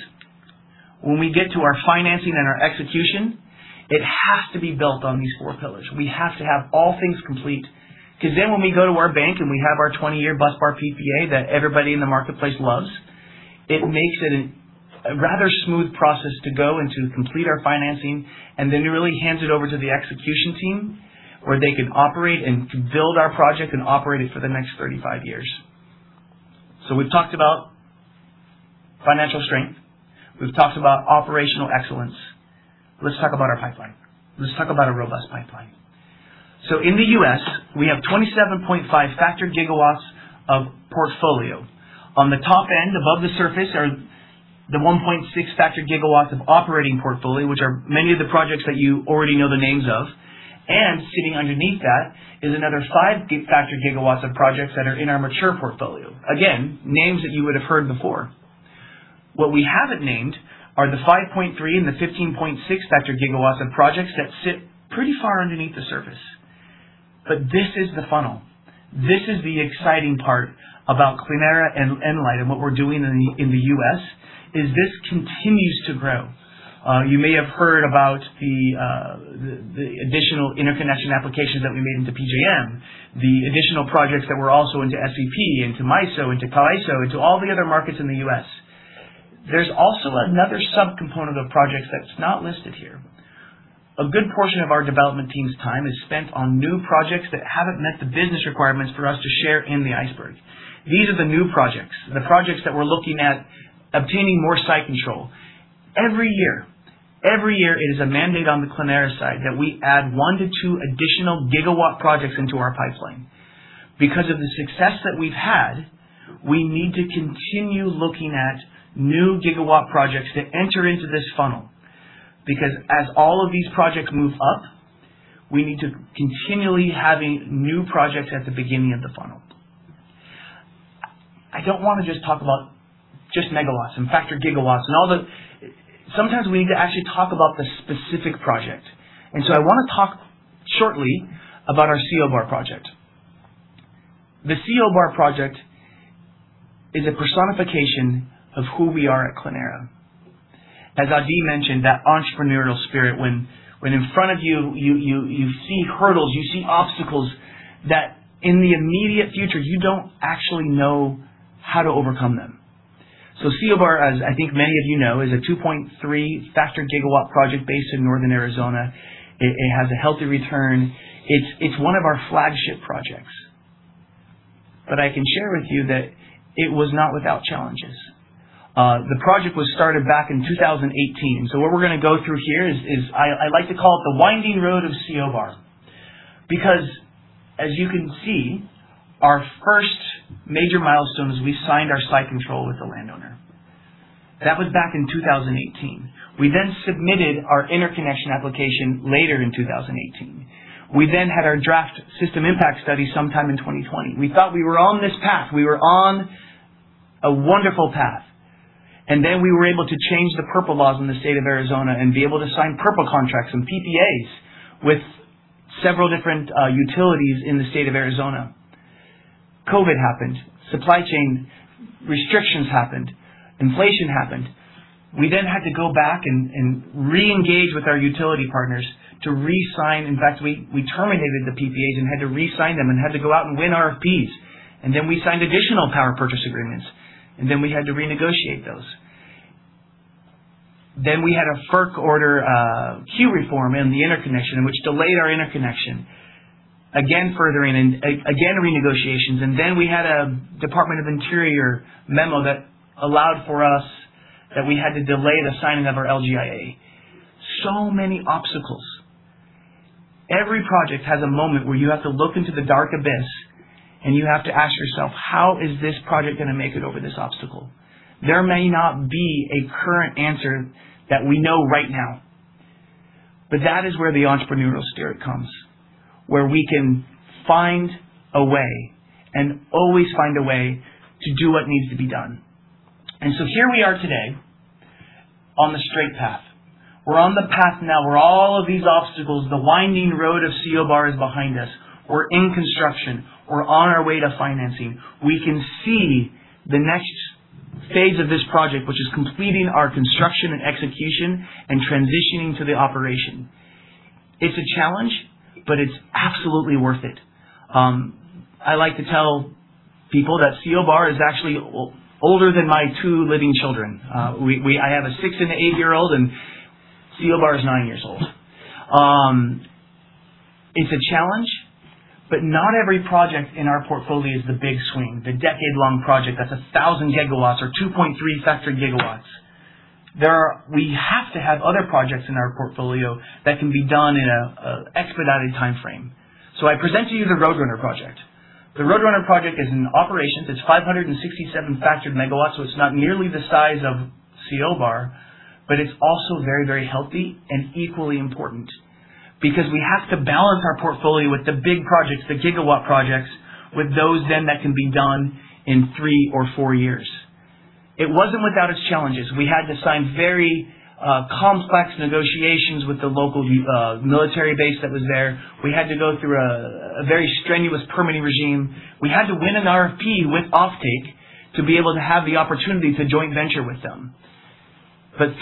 when we get to our financing and our execution, it has to be built on these four pillars. We have to have all things complete. 'Cause when we go to our bank and we have our 20-year busbar PPA that everybody in the marketplace loves, it makes it a rather smooth process to go and to complete our financing and then really hands it over to the execution team, where they can operate and build our project and operate it for the next 35 years. We've talked about financial strength. We've talked about operational excellence. Let's talk about our pipeline. Let's talk about a robust pipeline. In the U.S., we have 27.5 factored gigawatts of portfolio. On the top end, above the surface are the 1.6 factored gigawatts of operating portfolio, which are many of the projects that you already know the names of. Sitting underneath that is another five factored gigawatts of projects that are in our mature portfolio. Again, names that you would have heard before. What we haven't named are the 5.3 and the 15.6 factored gigawatts of projects that sit pretty far underneath the surface. This is the funnel. This is the exciting part about Clenera and Enlight and what we're doing in the U.S., is this continues to grow. You may have heard about the additional interconnection applications that we made into PJM, the additional projects that were also into SPP, into MISO, into CAISO, into all the other markets in the U.S. There's also another subcomponent of projects that's not listed here. A good portion of our development team's time is spent on new projects that haven't met the business requirements for us to share in the iceberg. These are the new projects, the projects that we're looking at obtaining more site control. Every year it is a mandate on the Clenera side that we add one to two additional gigawatt projects into our pipeline. Because of the success that we've had, we need to continue looking at new gigawatt projects to enter into this funnel. As all of these projects move up, we need to continually having new projects at the beginning of the funnel. I don't wanna just talk about just MW and factored gigawatts. Sometimes we need to actually talk about the specific project. I wanna talk shortly about our CO Bar project. The CO Bar project is a personification of who we are at Clenera. As Adi mentioned, that entrepreneurial spirit when in front of you see hurdles, you see obstacles that in the immediate future you don't actually know how to overcome them. CO Bar, as I think many of you know, is a 2.3 factored gigawatt project based in northern Arizona. It has a healthy return. It's one of our flagship projects. I can share with you that it was not without challenges. The project was started back in 2018. What we're gonna go through here is, I like to call it the winding road of CO Bar. Because as you can see, our first major milestone is we signed our site control with the landowner. That was back in 2018. We then submitted our interconnection application later in 2018. We then had our draft system impact study sometime in 2020. We thought we were on this path. We were on a wonderful path. We were able to change the PURPA laws in the state of Arizona and be able to sign PURPA contracts and PPAs with several different utilities in the state of Arizona. COVID happened, supply chain restrictions happened, inflation happened. We had to go back and reengage with our utility partners to re-sign. In fact, we terminated the PPAs and had to re-sign them and had to go out and win RFPs. We signed additional power purchase agreements, we had to renegotiate those. We had a FERC Order queue reform in the interconnection, which delayed our interconnection. Again, furthering renegotiations. We had a Department of Interior memo that allowed for us that we had to delay the signing of our LGIA. Many obstacles. Every project has a moment where you have to look into the dark abyss, and you have to ask yourself, "How is this project gonna make it over this obstacle?" There may not be a current answer that we know right now, but that is where the entrepreneurial spirit comes, where we can find a way and always find a way to do what needs to be done. Here we are today on the straight path. We're on the path now where all of these obstacles, the winding road of CO Bar is behind us. We're in construction. We're on our way to financing. We can see the next phase of this project, which is completing our construction and execution and transitioning to the operation. It's a challenge, but it's absolutely worth it. I like to tell people that CO Bar is actually older than my two living children. I have a six and an eight-year-old, and CO Bar is nine years old. It's a challenge, but not every project in our portfolio is the big swing, the decade-long project that's 1,000 gigawatts or 2.3 factored gigawatts. We have to have other projects in our portfolio that can be done in an expedited timeframe. I present to you the Roadrunner project. The Roadrunner project is in operations. It's 567 factored MW, so it's not nearly the size of CO Bar, but it's also very, very healthy and equally important. We have to balance our portfolio with the big projects, the gigawatt projects, with those then that can be done in three or four years. It wasn't without its challenges. We had to sign very complex negotiations with the local military base that was there. We had to go through a very strenuous permitting regime. We had to win an RFP with offtake to be able to have the opportunity to joint venture with them.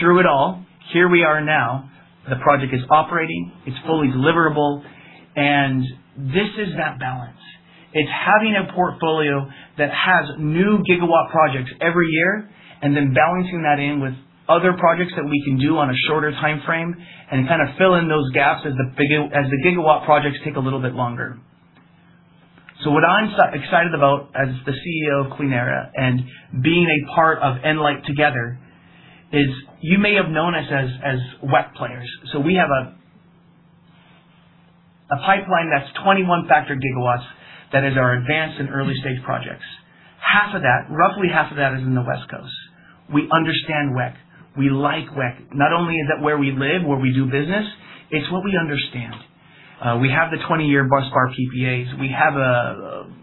Through it all, here we are now. The project is operating, it's fully deliverable, and this is that balance. It's having a portfolio that has new gigawatt projects every year and then balancing that in with other projects that we can do on a shorter timeframe and kind of fill in those gaps as the gigawatt projects take a little bit longer. What I'm ex-excited about as the CEO of Clenera and being a part of Enlight together is you may have known us as WECC players. We have a pipeline that's 21 factored gigawatts that is our advanced and early-stage projects. Half of that, roughly half of that is in the West Coast. We understand WECC. We like WECC. Not only is that where we live, where we do business, it's what we understand. We have the 20-year busbar PPAs. We have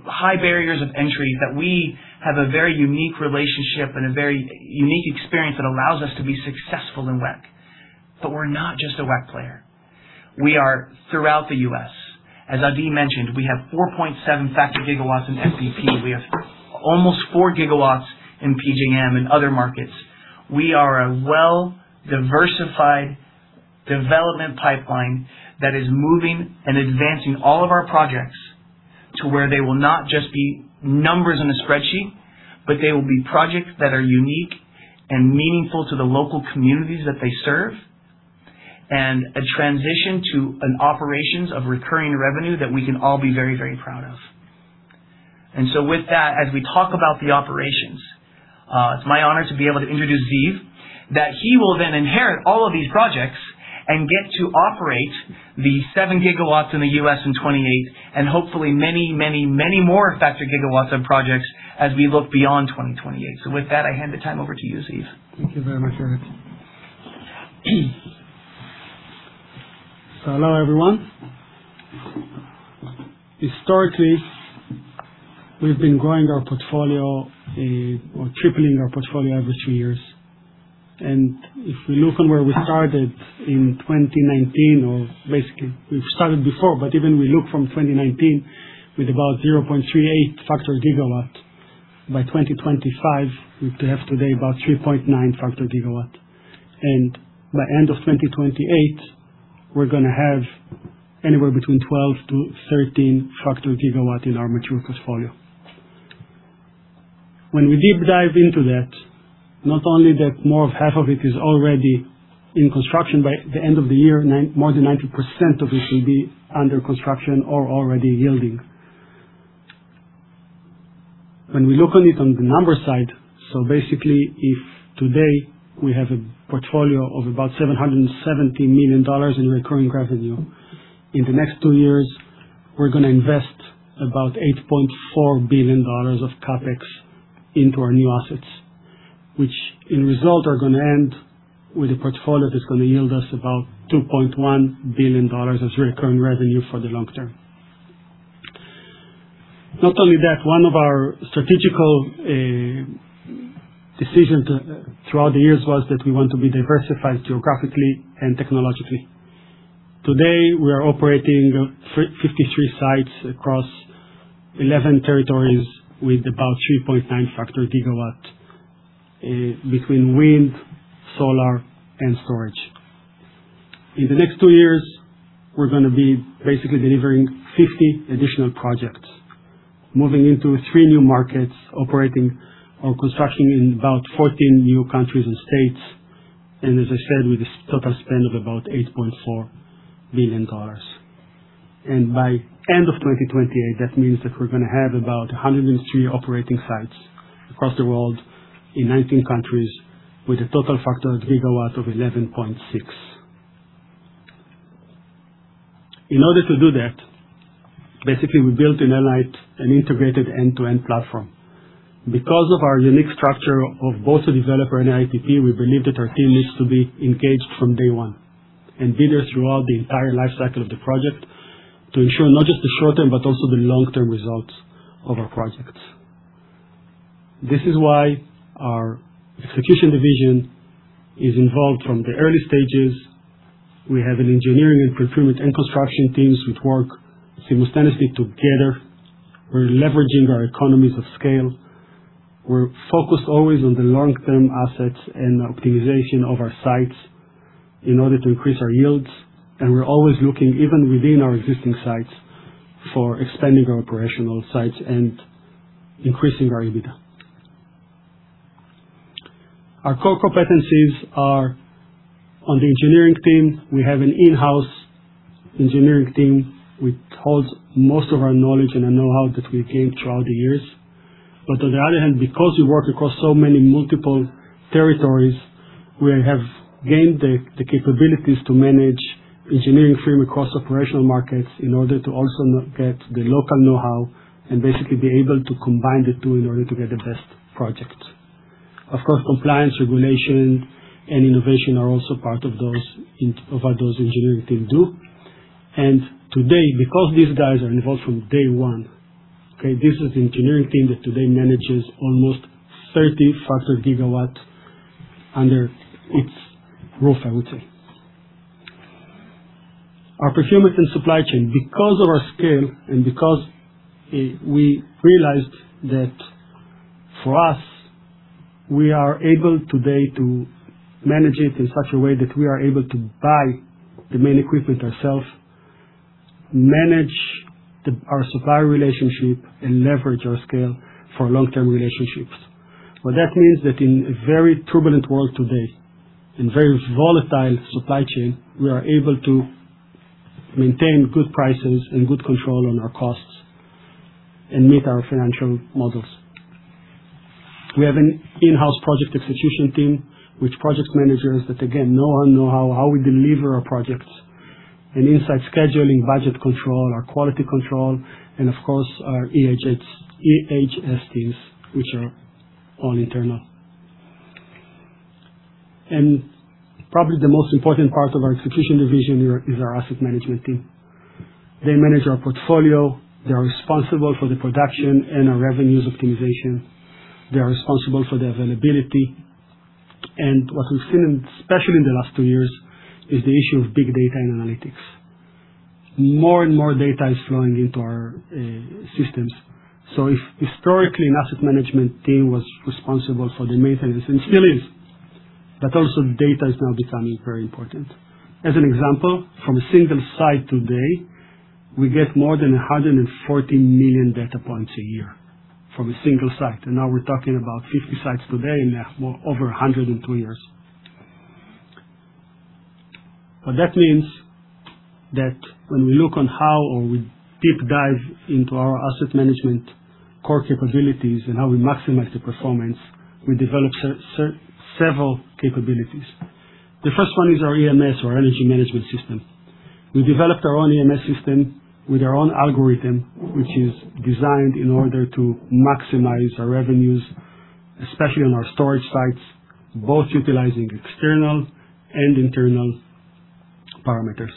high barriers of entry that we have a very unique relationship and a very unique experience that allows us to be successful in WECC. We're not just a WECC player. We are throughout the U.S. As Adi mentioned, we have 4.7 factored gigawatts in SPP. We have almost four gigawatts in PJM and other markets. We are a well-diversified development pipeline that is moving and advancing all of our projects to where they will not just be numbers in a spreadsheet, but they will be projects that are unique and meaningful to the local communities that they serve, and a transition to an operations of recurring revenue that we can all be very proud of. With that, as we talk about the operations, it's my honor to be able to introduce Ziv, that he will then inherit all of these projects and get to operate the seven gigawatts in the U.S. in 2028 and hopefully many more factored gigawatts of projects as we look beyond 2028. With that, I hand the time over to you, Ziv. Thank you very much, Jared. Hello, everyone. Historically, we've been growing our portfolio, or tripling our portfolio every two years. If we look on where we started in 2019 or basically we've started before, but even we look from 2019 with about 0.38 factored gigawatt, by 2025, we have today about 3.9 factored gigawatt. By end of 2028, we're gonna have anywhere between 12 to 13 factored gigawatt in our mature portfolio. When we deep dive into that, not only that more of half of it is already in construction, by the end of the year, more than 90% of it will be under construction or already yielding. When we look on it on the number side, basically if today we have a portfolio of about $770 million in recurring revenue, in the next two years, we're going to invest about $8.4 billion of CapEx into our new assets, which in result are going to end with a portfolio that's going to yield us about $2.1 billion as recurring revenue for the long term. Not only that, one of our strategic decisions throughout the years was that we want to be diversified geographically and technologically. Today, we are operating 53 sites across 11 territories with about 3.9 factor gigawatt between wind, solar, and storage. In the next two years, we're gonna be basically delivering 50 additional projects, moving into three new markets, operating or constructing in about 14 new countries and states, as I said, with a total spend of about $8.4 billion. By end of 2028, that means that we're gonna have about 103 operating sites across the world in 19 countries with a total factored gigawatts of 11.6. In order to do that, basically we built an integrated end-to-end platform. Because of our unique structure of both the developer and IPP, we believe that our team needs to be engaged from day one and be there throughout the entire life cycle of the project to ensure not just the short-term but also the long-term results of our projects. This is why our execution division is involved from the early stages. We have an engineering and procurement and construction teams which work simultaneously together. We're leveraging our economies of scale. We're focused always on the long-term assets and optimization of our sites in order to increase our yields. We're always looking even within our existing sites for expanding our operational sites and increasing our EBITDA. Our core competencies are on the engineering team. We have an in-house engineering team which holds most of our knowledge and the know-how that we gained throughout the years. On the other hand, because we work across so many multiple territories, we have gained the capabilities to manage engineering framework across operational markets in order to also get the local know-how and basically be able to combine the two in order to get the best project. Of course, compliance, regulation, and innovation are also part of what those engineering team do. Today, because these guys are involved from day one, okay, this is the engineering team that today manages almost 30-factor gigawatt under its roof, I would say. Our procurement and supply chain. Because of our scale and because we realized that for us, we are able today to manage it in such a way that we are able to buy the main equipment ourselves, manage our supplier relationship, and leverage our scale for long-term relationships. What that means is that in a very turbulent world today, in very volatile supply chain, we are able to maintain good prices and good control on our costs and meet our financial models. We have an in-house project execution team with project managers that again know and know how we deliver our projects, on-site scheduling, budget control, our quality control, and of course, our EHS, E-H-S teams which are all internal. Probably the most important part of our execution division here is our asset management team. They manage our portfolio. They're responsible for the production and our revenues optimization. They are responsible for the availability. What we've seen, especially in the last two years, is the issue of big data and analytics. More and more data is flowing into our systems. If historically an asset management team was responsible for the maintenance, and still is, but also data is now becoming very important. As an example, from a single site today, we get more than 140 million data points a year from a single site. Now we're talking about 50 sites today and more over 100 in two years. What that means, that when we look on how or we deep dive into our asset management core capabilities and how we maximize the performance, we develop several capabilities. The first one is our EMS or Energy Management System. We developed our own EMS system with our own algorithm, which is designed in order to maximize our revenues, especially on our storage sites, both utilizing external and internal parameters.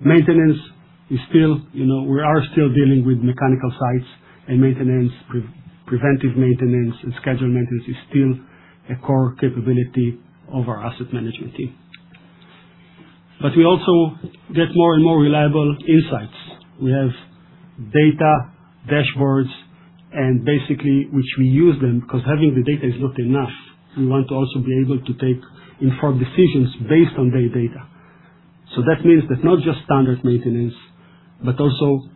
Maintenance is still, you know, we are still dealing with mechanical sites and maintenance. Preventive maintenance and scheduled maintenance is still a core capability of our asset management team. We also get more and more reliable insights. We have data dashboards and which we use them because having the data is not enough. We want to also be able to take informed decisions based on that data. That means that not just standard maintenance, but also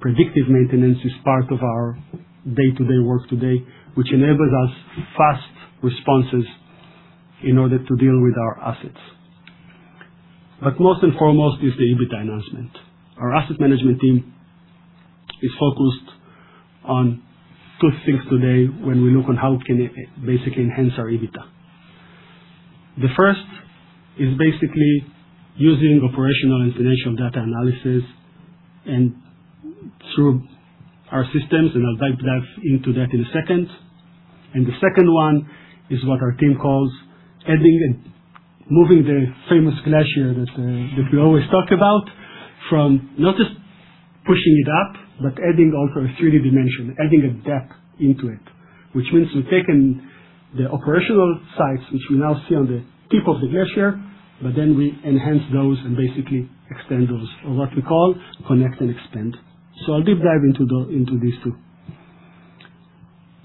predictive maintenance is part of our day-to-day work today, which enables us fast responses in order to deal with our assets. Most and foremost is the EBITDA enhancement. Our asset management team is focused on two things today when we look on how can it enhance our EBITDA. The first is basically using operational and financial data analysis and through our systems, and I'll dive into that in a second. The second one is what our team calls adding and moving the famous glacier that we always talk about from not just pushing it up, but adding also a 3-D dimension, adding a depth into it. Means we've taken the operational sites, which we now see on the tip of the glacier, but then we enhance those and basically extend those, or what we call connect and extend. I'll deep dive into these two.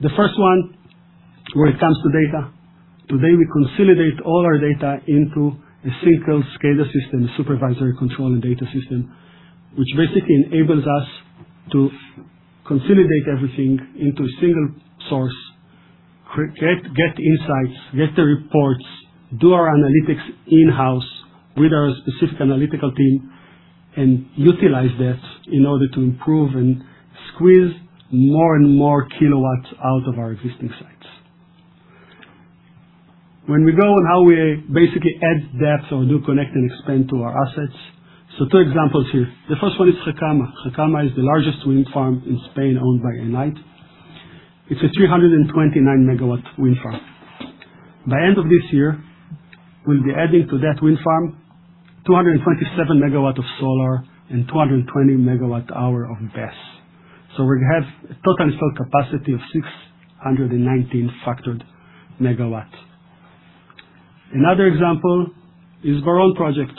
The first one, when it comes to data, today we consolidate all our data into a single SCADA system, Supervisory Control and Data Acquisition, which basically enables us to consolidate everything into a single source, get insights, get the reports, do our analytics in-house with our specific analytical team, and utilize that in order to improve and squeeze more and more kW out of our existing sites. We go on how we basically add depth or do connect and expand to our assets. Two examples here. The first one is Gecama. Gecama is the largest wind farm in Spain owned by Enlight. It's a 329 MW wind farm. By end of this year, we'll be adding to that wind farm 227 MW of solar and 220 MWh of BESS. We have a total installed capacity of 619 factored MW. Another example is our own project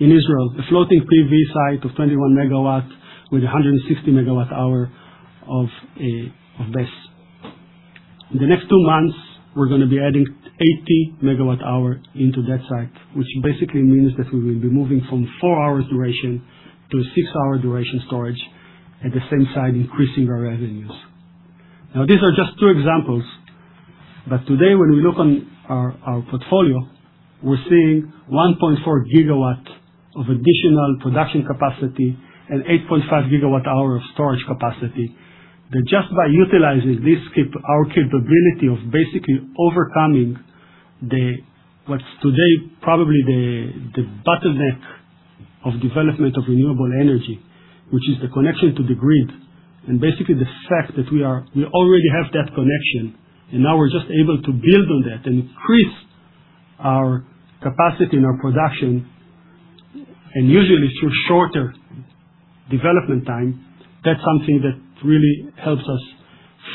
in Israel, a floating PV site of 21 MW with 160 MWh of BESS. In the next two months, we're gonna be adding 80 megawatt hour into that site, which basically means that we will be moving from four hours duration to a six-hour duration storage, at the same time, increasing our revenues. Now, these are just two examples, but today, when we look on our portfolio, we're seeing 1.4 gigawatt of additional production capacity and 8.5 gigawatt hour of storage capacity. That just by utilizing our capability of basically overcoming what's today probably the bottleneck of development of renewable energy, which is the connection to the grid. Basically the fact that we already have that connection, and now we're just able to build on that and increase our capacity and our production, and usually through shorter development time. That's something that really helps us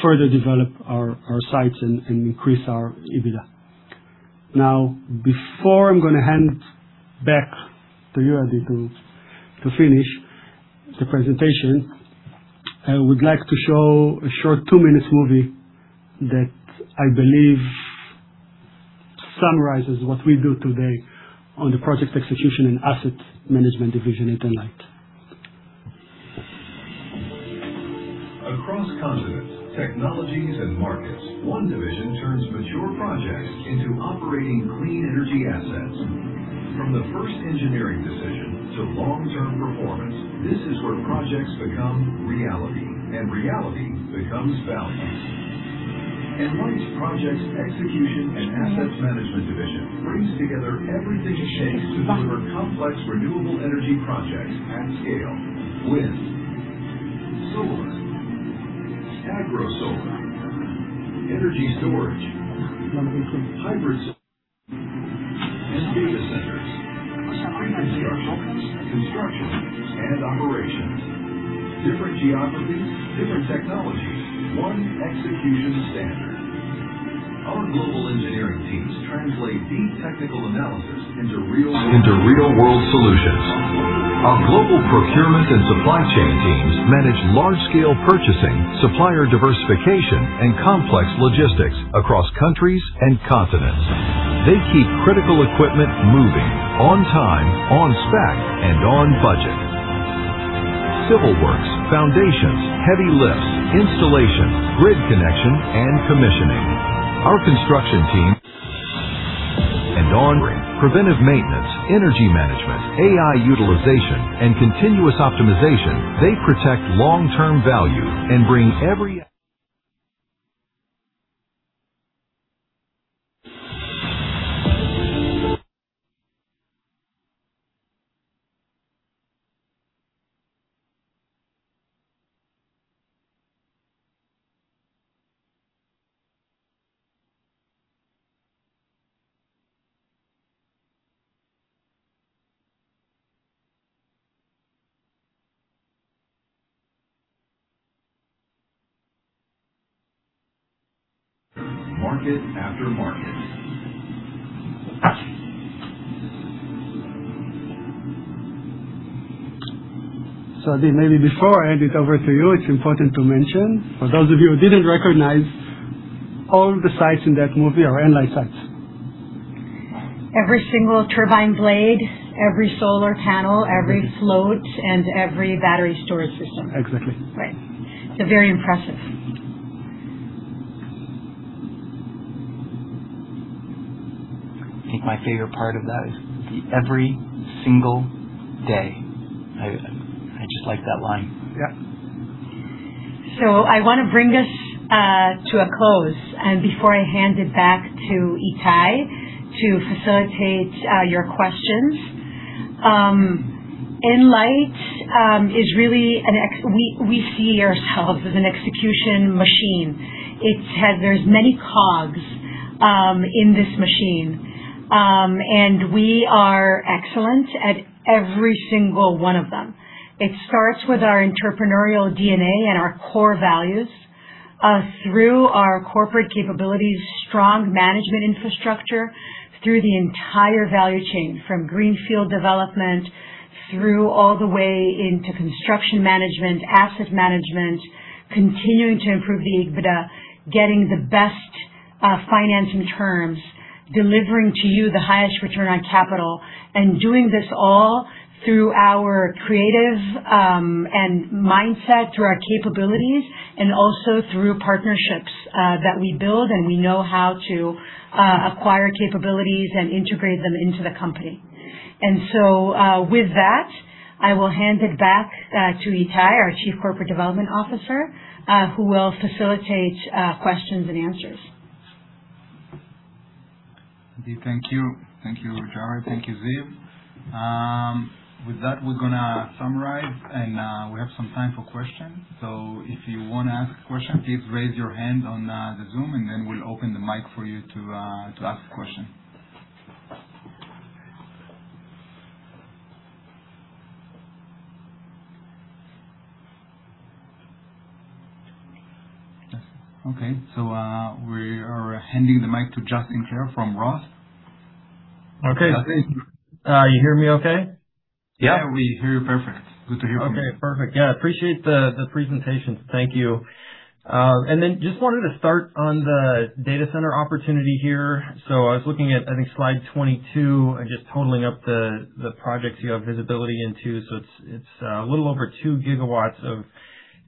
further develop our sites and increase our EBITDA. Now, before I'm gonna hand back to you, Adi, to finish the presentation, I would like to show a short two-minutes movie that I believe summarizes what we do today on the Project Execution and Asset Management division at Enlight. Across continents, technologies, and markets, one division turns mature projects into operating clean energy assets. From the first engineering decision to long-term performance, this is where projects become reality and reality becomes value. Enlight's Projects Execution and Asset Management division brings together everything it takes to deliver complex renewable energy projects at scale. Wind, solar, Agrosolar, energy storage, hybrid and data centers. Pre-construction, construction, and operations. Different geographies, different technologies, one execution standard. Our global engineering teams translate deep technical analysis into real-world solutions. Our global procurement and supply chain teams manage large-scale purchasing, supplier diversification, and complex logistics across countries and continents. They keep critical equipment moving on time, on spec, and on budget. Civil works, foundations, heavy lifts, installation, grid connection, and commissioning. Our construction team and honoring preventive maintenance, energy management, AI utilization, and continuous optimization, they protect long-term value and bring every. Adi, maybe before I hand it over to you, it's important to mention, for those of you who didn't recognize, all the sites in that movie are Enlight sites. Every single turbine blade, every solar panel, every float, and every battery storage system. Exactly. Right. Very impressive. I think my favorite part of that is the every single day. I just like that line. Yeah. I want to bring us to a close, and before I hand it back to Itay to facilitate your questions. Enlight is really we see ourselves as an execution machine. There's many cogs in this machine, and we are excellent at every single one of them. It starts with our entrepreneurial DNA and our core values, through our corporate capabilities, strong management infrastructure, through the entire value chain, from greenfield development through all the way into construction management, asset management, continuing to improve the EBITDA, getting the best financing terms, delivering to you the highest return on capital, and doing this all through our creative mindset, through our capabilities, and also through partnerships that we build, and we know how to acquire capabilities and integrate them into the company. With that, I will hand it back to Itay, our Chief Corporate Development Officer, who will facilitate questions and answers. Adi, thank you. Thank you, Jared. Thank you, Ziv. With that, we're gonna summarize, and we have some time for questions. If you wanna ask a question, please raise your hand on the Zoom, and then we'll open the mic for you to ask a question. Okay. We are handing the mic to Justin Clare from Roth. Okay. Justin. You hear me okay? Yeah, we hear you perfect. Good to hear from you. Okay, perfect. Appreciate the presentation. Thank you. Just wanted to start on the data center opportunity here. I was looking at, I think, slide 22 and just totaling up the projects you have visibility into. It's a little over two gigawatts of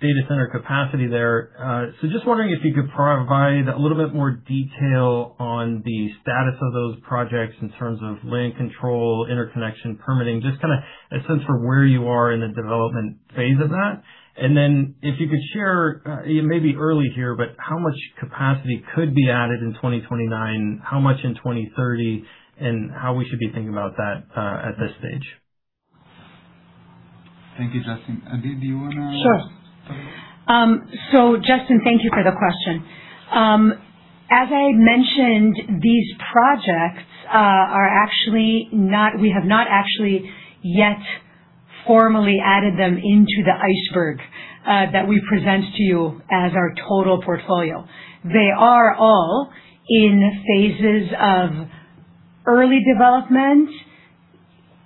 data center capacity there. Just wondering if you could provide a little bit more detail on the status of those projects in terms of land control, interconnection, permitting, just kinda a sense for where you are in the development phase of that. If you could share, it may be early here, but how much capacity could be added in 2029, how much in 2030, and how we should be thinking about that at this stage. Thank you, Justin. Adi, do you wanna? Justin, thank you for the question. As I mentioned, these projects, we have not actually yet formally added them into the iceberg that we present to you as our total portfolio. They are all in phases of early development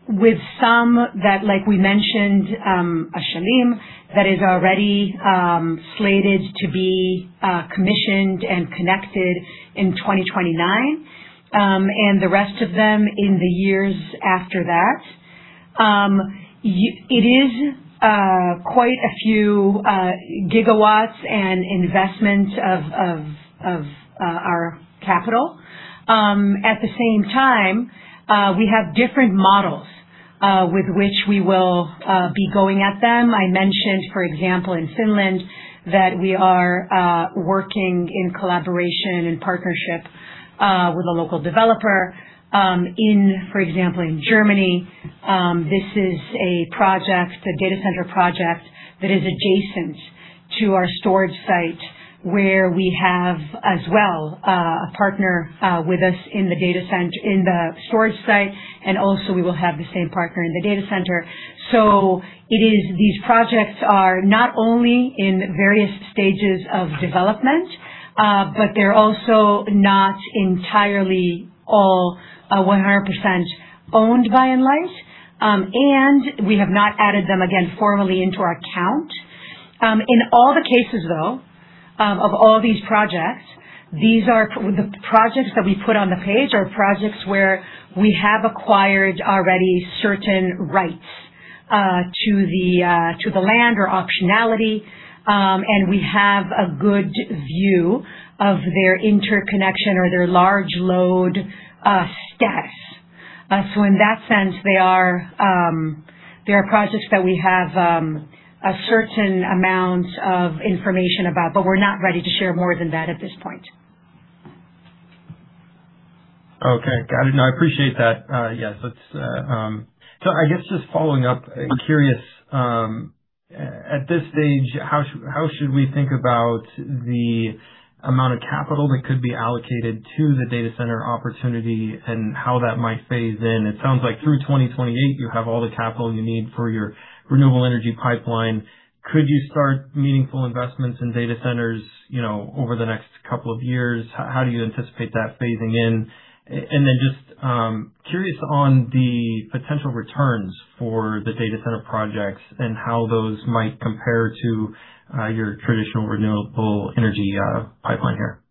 with some that, like we mentioned, Ashalim, that is already slated to be commissioned and connected in 2029, and the rest of them in the years after that. It is quite a few gigawatts and investment of our capital. At the same time, we have different models with which we will be going at them. I mentioned, for example, in Finland, that we are working in collaboration and partnership with a local developer. In, for example, in Germany, this is a project, a data center project, that is adjacent to our storage site where we have as well, a partner with us in the storage site, and also we will have the same partner in the data center. These projects are not only in various stages of development, but they're also not entirely all 100% owned by Enlight. We have not added them, again, formally into our count. In all the cases though, of all these projects, the projects that we put on the page are projects where we have acquired already certain rights to the land or optionality, and we have a good view of their interconnection or their large load status. In that sense, they are projects that we have a certain amount of information about, but we're not ready to share more than that at this point. Okay. Got it. No, I appreciate that. Yes, that's. I guess just following up, curious, at this stage, how should we think about the amount of capital that could be allocated to the data center opportunity and how that might phase in? It sounds like through 2028 you have all the capital you need for your renewable energy pipeline. Could you start meaningful investments in data centers, you know, over the next couple of years? How do you anticipate that phasing in? Then just curious on the potential returns for the data center projects and how those might compare to your traditional renewable energy pipeline here.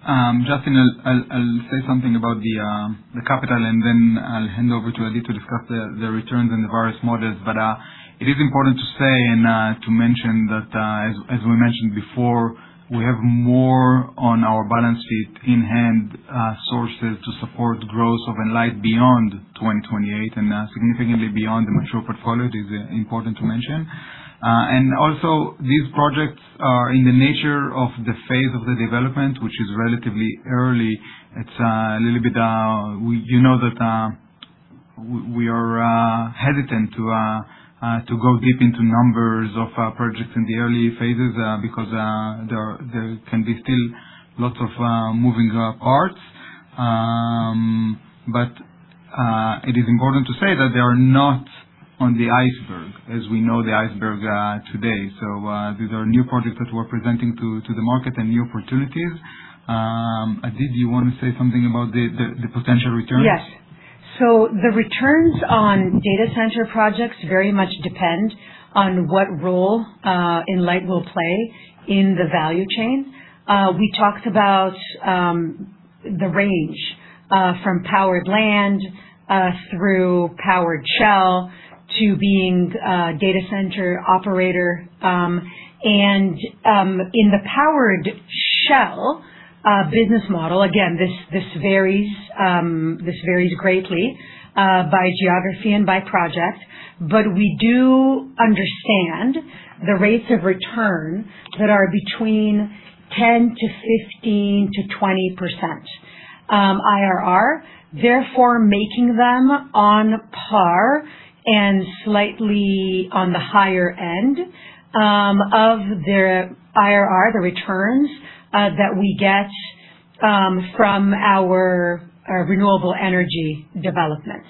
Justin, I'll say something about the capital, and then I'll hand over to Adi to discuss the returns and the various models. It is important to say and to mention that as we mentioned before, we have more on our balance sheet in hand, sources to support growth of Enlight beyond 2028, significantly beyond the mature portfolio. It is important to mention. Also these projects are in the nature of the phase of the development, which is relatively early. It's a little bit, you know that we are hesitant to go deep into numbers of our projects in the early phases, because there can be still lots of moving parts. It is important to say that they are not on the iceberg, as we know the iceberg today. These are new projects that we're presenting to the market and new opportunities. Adi, do you wanna say something about the potential returns? Yes. The returns on data center projects very much depend on what role Enlight will play in the value chain. We talked about the range from powered land through powered shell to being a data center operator. And in the powered shell business model, again, this varies greatly by geography and by project, but we do understand the rates of return that are between 10%-15%-20% IRR. Therefore, making them on par and slightly on the higher end of the IRR, the returns that we get from our renewable energy developments.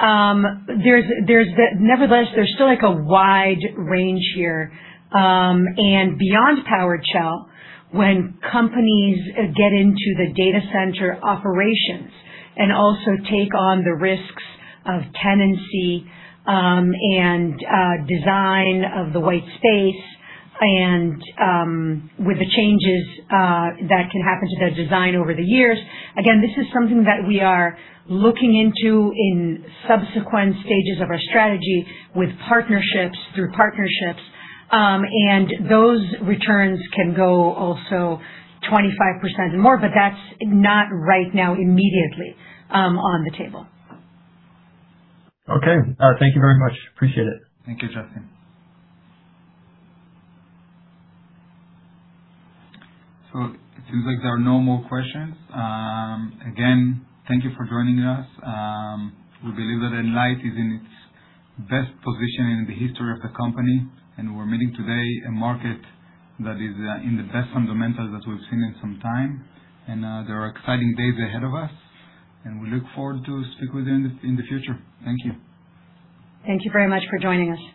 Nevertheless, there's still, like, a wide range here, and beyond powered shell, when companies get into the data center operations and also take on the risks of tenancy, and design of the white space and with the changes that can happen to their design over the years. Again, this is something that we are looking into in subsequent stages of our strategy with partnerships, through partnerships, and those returns can go also 25% more, but that's not right now immediately on the table. Okay. Thank you very much. Appreciate it. Thank you, Justin. It seems like there are no more questions. Again, thank you for joining us. We believe that Enlight is in its best position in the history of the company, and we're meeting today a market that is in the best fundamentals that we've seen in some time. There are exciting days ahead of us, and we look forward to stick with you in the future. Thank you. Thank you very much for joining us.